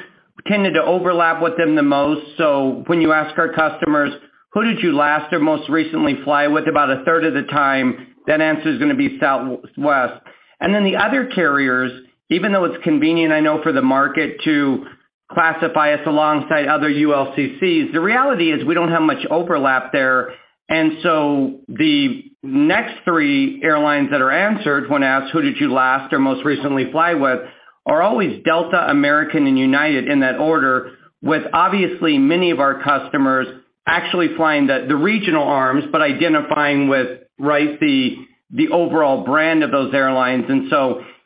tended to overlap with them the most. When you ask our customers, who did you last or most recently fly with? About 1/3 of the time that answer is gonna be Southwest. The other carriers, even though it's convenient, I know, for the market to classify us alongside other ULCCs, the reality is we don't have much overlap there. The next three airlines that are answered when asked, who did you last or most recently fly with? Are always Delta, American, and United in that order, with obviously many of our customers actually flying the regional arms, but identifying with, right, the overall brand of those airlines.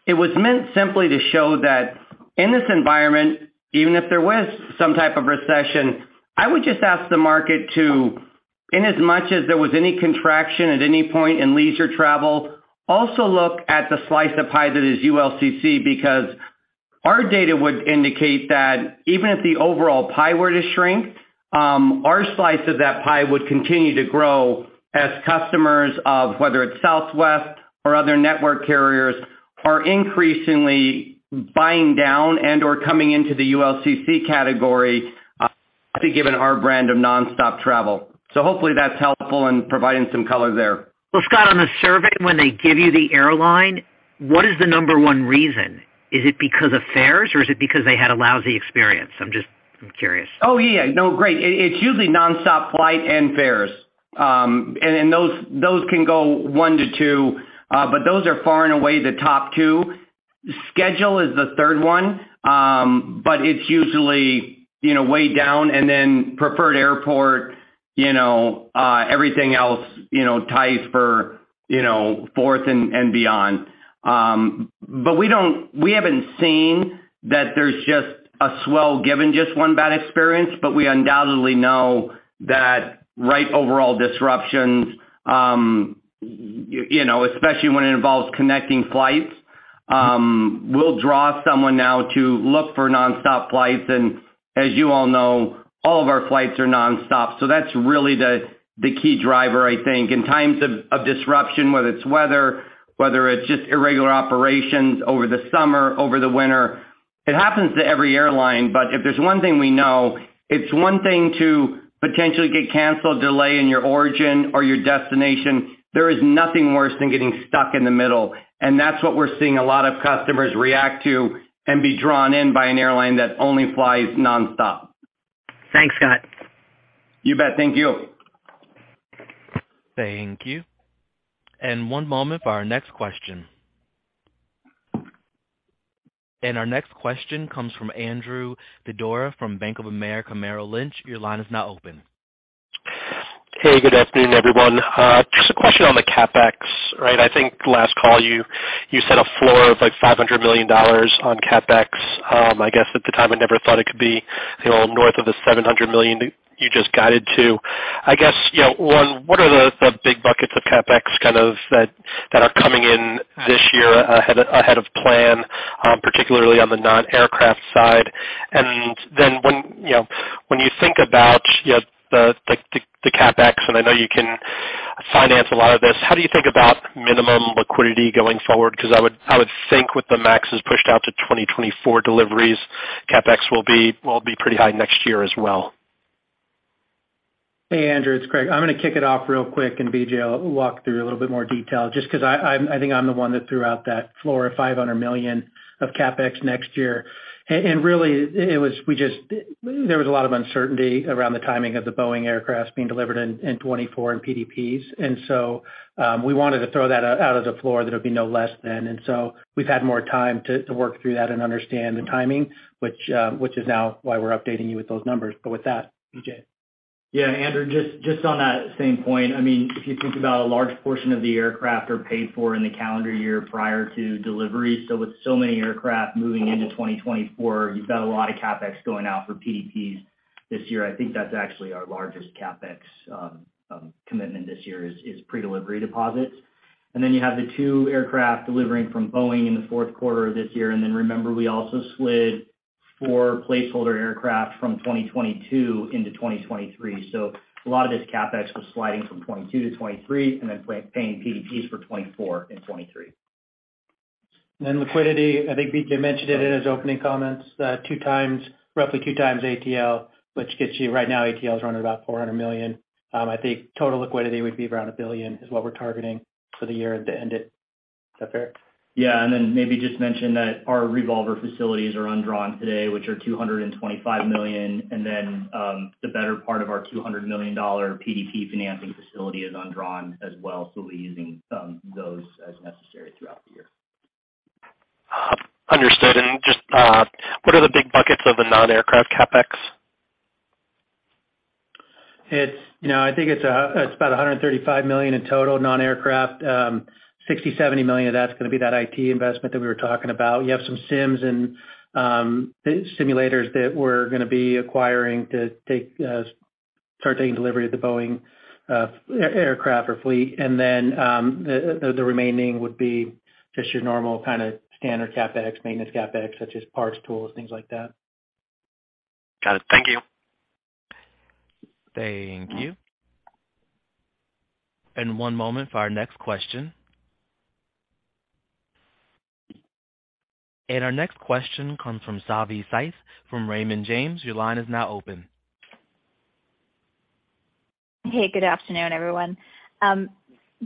It was meant simply to show that in this environment, even if there was some type of recession, I would just ask the market to, in as much as there was any contraction at any point in leisure travel, also look at the slice of pie that is ULCC because our data would indicate that even if the overall pie were to shrink, our slice of that pie would continue to grow as customers of whether it's Southwest or other network carriers are increasingly buying down and/or coming into the ULCC category, to be given our brand of nonstop travel. Hopefully that's helpful in providing some color there. Well, Scott, on the survey, when they give you the airline, what is the number one reason? Is it because of fares or is it because they had a lousy experience? I'm just, I'm curious. Oh, yeah, no, great. It's usually nonstop flight and fares. And those can go one to two, but those are far and away the top two. Schedule is the 3rd one, but it's usually, you know, way down and then preferred airport, you know, everything else, you know, ties for, you know, 4th and beyond. But we haven't seen that there's just a swell given just one bad experience, but we undoubtedly know that, right, overall disruptions, you know, especially when it involves connecting flights, will draw someone now to look for nonstop flights. As you all know, all of our flights are nonstop. That's really the key driver, I think. In times of disruption, whether it's weather, whether it's just irregular operations over the summer, over the winter, it happens to every airline. If there's one thing we know, it's one thing to potentially get canceled, delay in your origin or your destination. There is nothing worse than getting stuck in the middle, and that's what we're seeing a lot of customers react to and be drawn in by an airline that only flies nonstop. Thanks, Scott. You bet. Thank you. Thank you. One moment for our next question. Our next question comes from Andrew Didora from Bank of America. Your line is now open. Hey, good afternoon, everyone. Just a question on the CapEx, right? I think last call you set a floor of like $500 million on CapEx. I guess at the time I never thought it could be, you know, north of the $700 million you just guided to. I guess, you know, one, what are the big buckets of CapEx kind of that are coming in this year ahead of plan, particularly on the non-aircraft side? When, you know, when you think about, you know, the CapEx, and I know you can finance a lot of this, how do you think about minimum liquidity going forward? Because I would think with the MAXs pushed out to 2024 deliveries, CapEx will be pretty high next year as well. Hey, Andrew. It's Greg. I'm gonna kick it off real quick, BJ will walk through a little bit more detail, just 'cause I think I'm the one that threw out that floor of $500 million of CapEx next year. Really it was there was a lot of uncertainty around the timing of the Boeing aircraft being delivered in 2024 and PDPs. We wanted to throw that out of the floor that it would be no less than. We've had more time to work through that and understand the timing, which is now why we're updating you with those numbers. With that, BJ. Andrew, just on that same point, I mean, if you think about a large portion of the aircraft are paid for in the calendar year prior to delivery. With so many aircraft moving into 2024, you've got a lot of CapEx going out for PDPs this year. I think that's actually our largest CapEx commitment this year is pre-delivery deposits. You have the two aircraft delivering from Boeing in the fourth quarter of this year. Remember, we also slid four placeholder aircraft from 2022 into 2023. A lot of this CapEx was sliding from 2022 to 2023 and then paying PDPs for 2024 and 2023. Liquidity, I think BJ mentioned it in his opening comments, two times, roughly two times ATL. Right now ATL is running about $400 million. I think total liquidity would be around $1 billion is what we're targeting for the year to end it. Is that fair? Yeah. Maybe just mention that our revolver facilities are undrawn today, which are $225 million. The better part of our $200 million PDP financing facility is undrawn as well. We'll be using those as necessary throughout the year. Understood. Just, what are the big buckets of the non-aircraft CapEx? It's, you know, I think it's about $135 million in total non-aircraft. $60 million-$70 million of that's gonna be that IT investment that we were talking about. You have some sims and simulators that we're gonna be acquiring to start taking delivery of the Boeing aircraft or fleet. Then, the remaining would be just your normal kind of standard CapEx, maintenance CapEx, such as parts, tools, things like that. Got it. Thank you. Thank you. One moment for our next question. Our next question comes from Savanthi Syth from Raymond James. Your line is now open. Hey, good afternoon, everyone.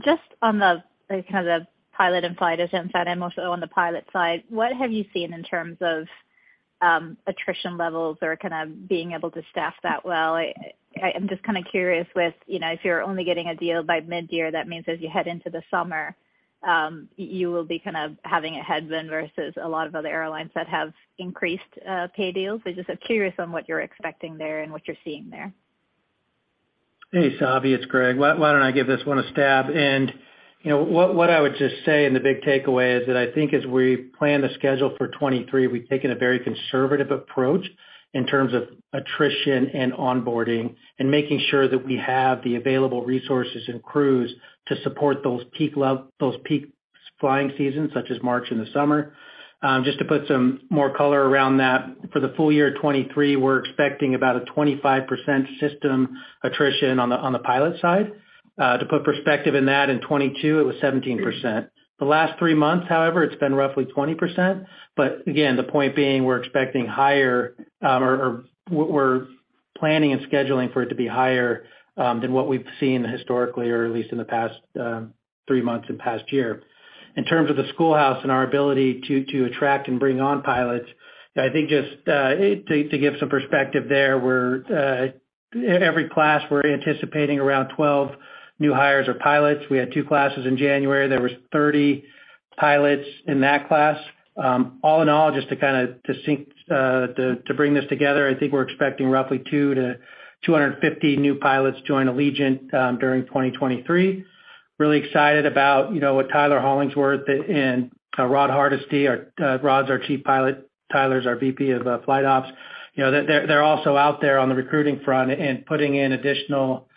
just on the, kind of the pilot and flight attendant side and also on the pilot side, what have you seen in terms of. Attrition levels or kind of being able to staff that well. I'm just kind of curious with, you know, if you're only getting a deal by mid-year, that means as you head into the summer, you will be kind of having a headwind versus a lot of other airlines that have increased pay deals. I just am curious on what you're expecting there and what you're seeing there. Hey, Savi, it's Greg. Why don't I give this one a stab? You know, what I would just say and the big takeaway is that I think as we plan the schedule for 2023, we've taken a very conservative approach in terms of attrition and onboarding and making sure that we have the available resources and crews to support those peak flying seasons, such as March and the summer. Just to put some more color around that, for the full year 2023, we're expecting about a 25% system attrition on the pilot side. To put perspective in that, in 2022 it was 17%. The last three months, however, it's been roughly 20%. Again, the point being, we're expecting higher, or we're planning and scheduling for it to be higher than what we've seen historically or at least in the past, three months and past year. In terms of the schoolhouse and our ability to attract and bring on pilots, I think just to give some perspective there, we're every class we're anticipating around 12 new hires or pilots. We had two classes in January. There was 30 pilots in that class. All in all, just to bring this together, I think we're expecting roughly 2 to 250 new pilots to join Allegiant during 2023. Really excited about, you know, what Tyler Hollingsworth and Rod Hardesty. Rod's our Chief Pilot, Tyler's our VP of flight ops. You know, they're also out there on the recruiting front and putting in additional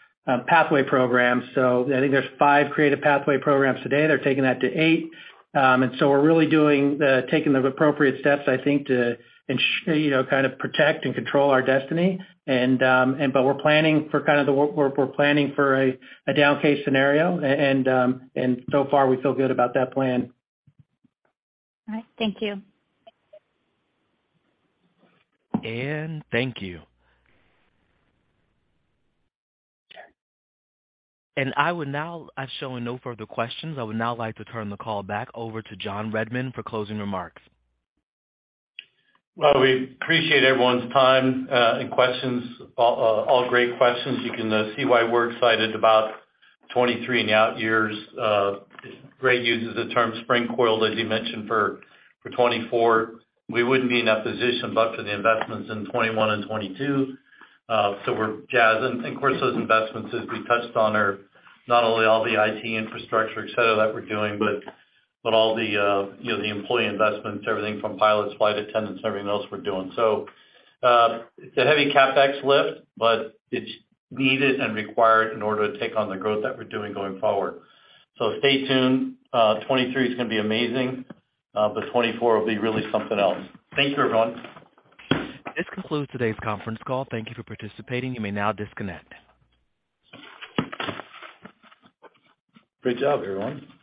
pathway programs. I think there's five creative pathway programs today. They're taking that to eight. We're really doing the taking the appropriate steps, I think, to ensure, you know, kind of protect and control our destiny. But we're planning for kind of the we're planning for a down case scenario. So far, we feel good about that plan. All right. Thank you. Thank you. I show no further questions. I would now like to turn the call back over to John Redmond for closing remarks. We appreciate everyone's time and questions. All great questions. You can see why we're excited about 2023 and the out years. Greg uses the term spring coil, as you mentioned, for 2024. We wouldn't be in that position but for the investments in 2021 and 2022. We're jazzed. Of course, those investments, as we touched on, are not only all the IT infrastructure, et cetera, that we're doing, but all the, you know, the employee investments, everything from pilots, flight attendants, everything else we're doing. It's a heavy CapEx lift, but it's needed and required in order to take on the growth that we're doing going forward. Stay tuned. 2023 is gonna be amazing, but 2024 will be really something else. Thank you, everyone. This concludes today's conference call. Thank you for participating. You may now disconnect. Great job, everyone.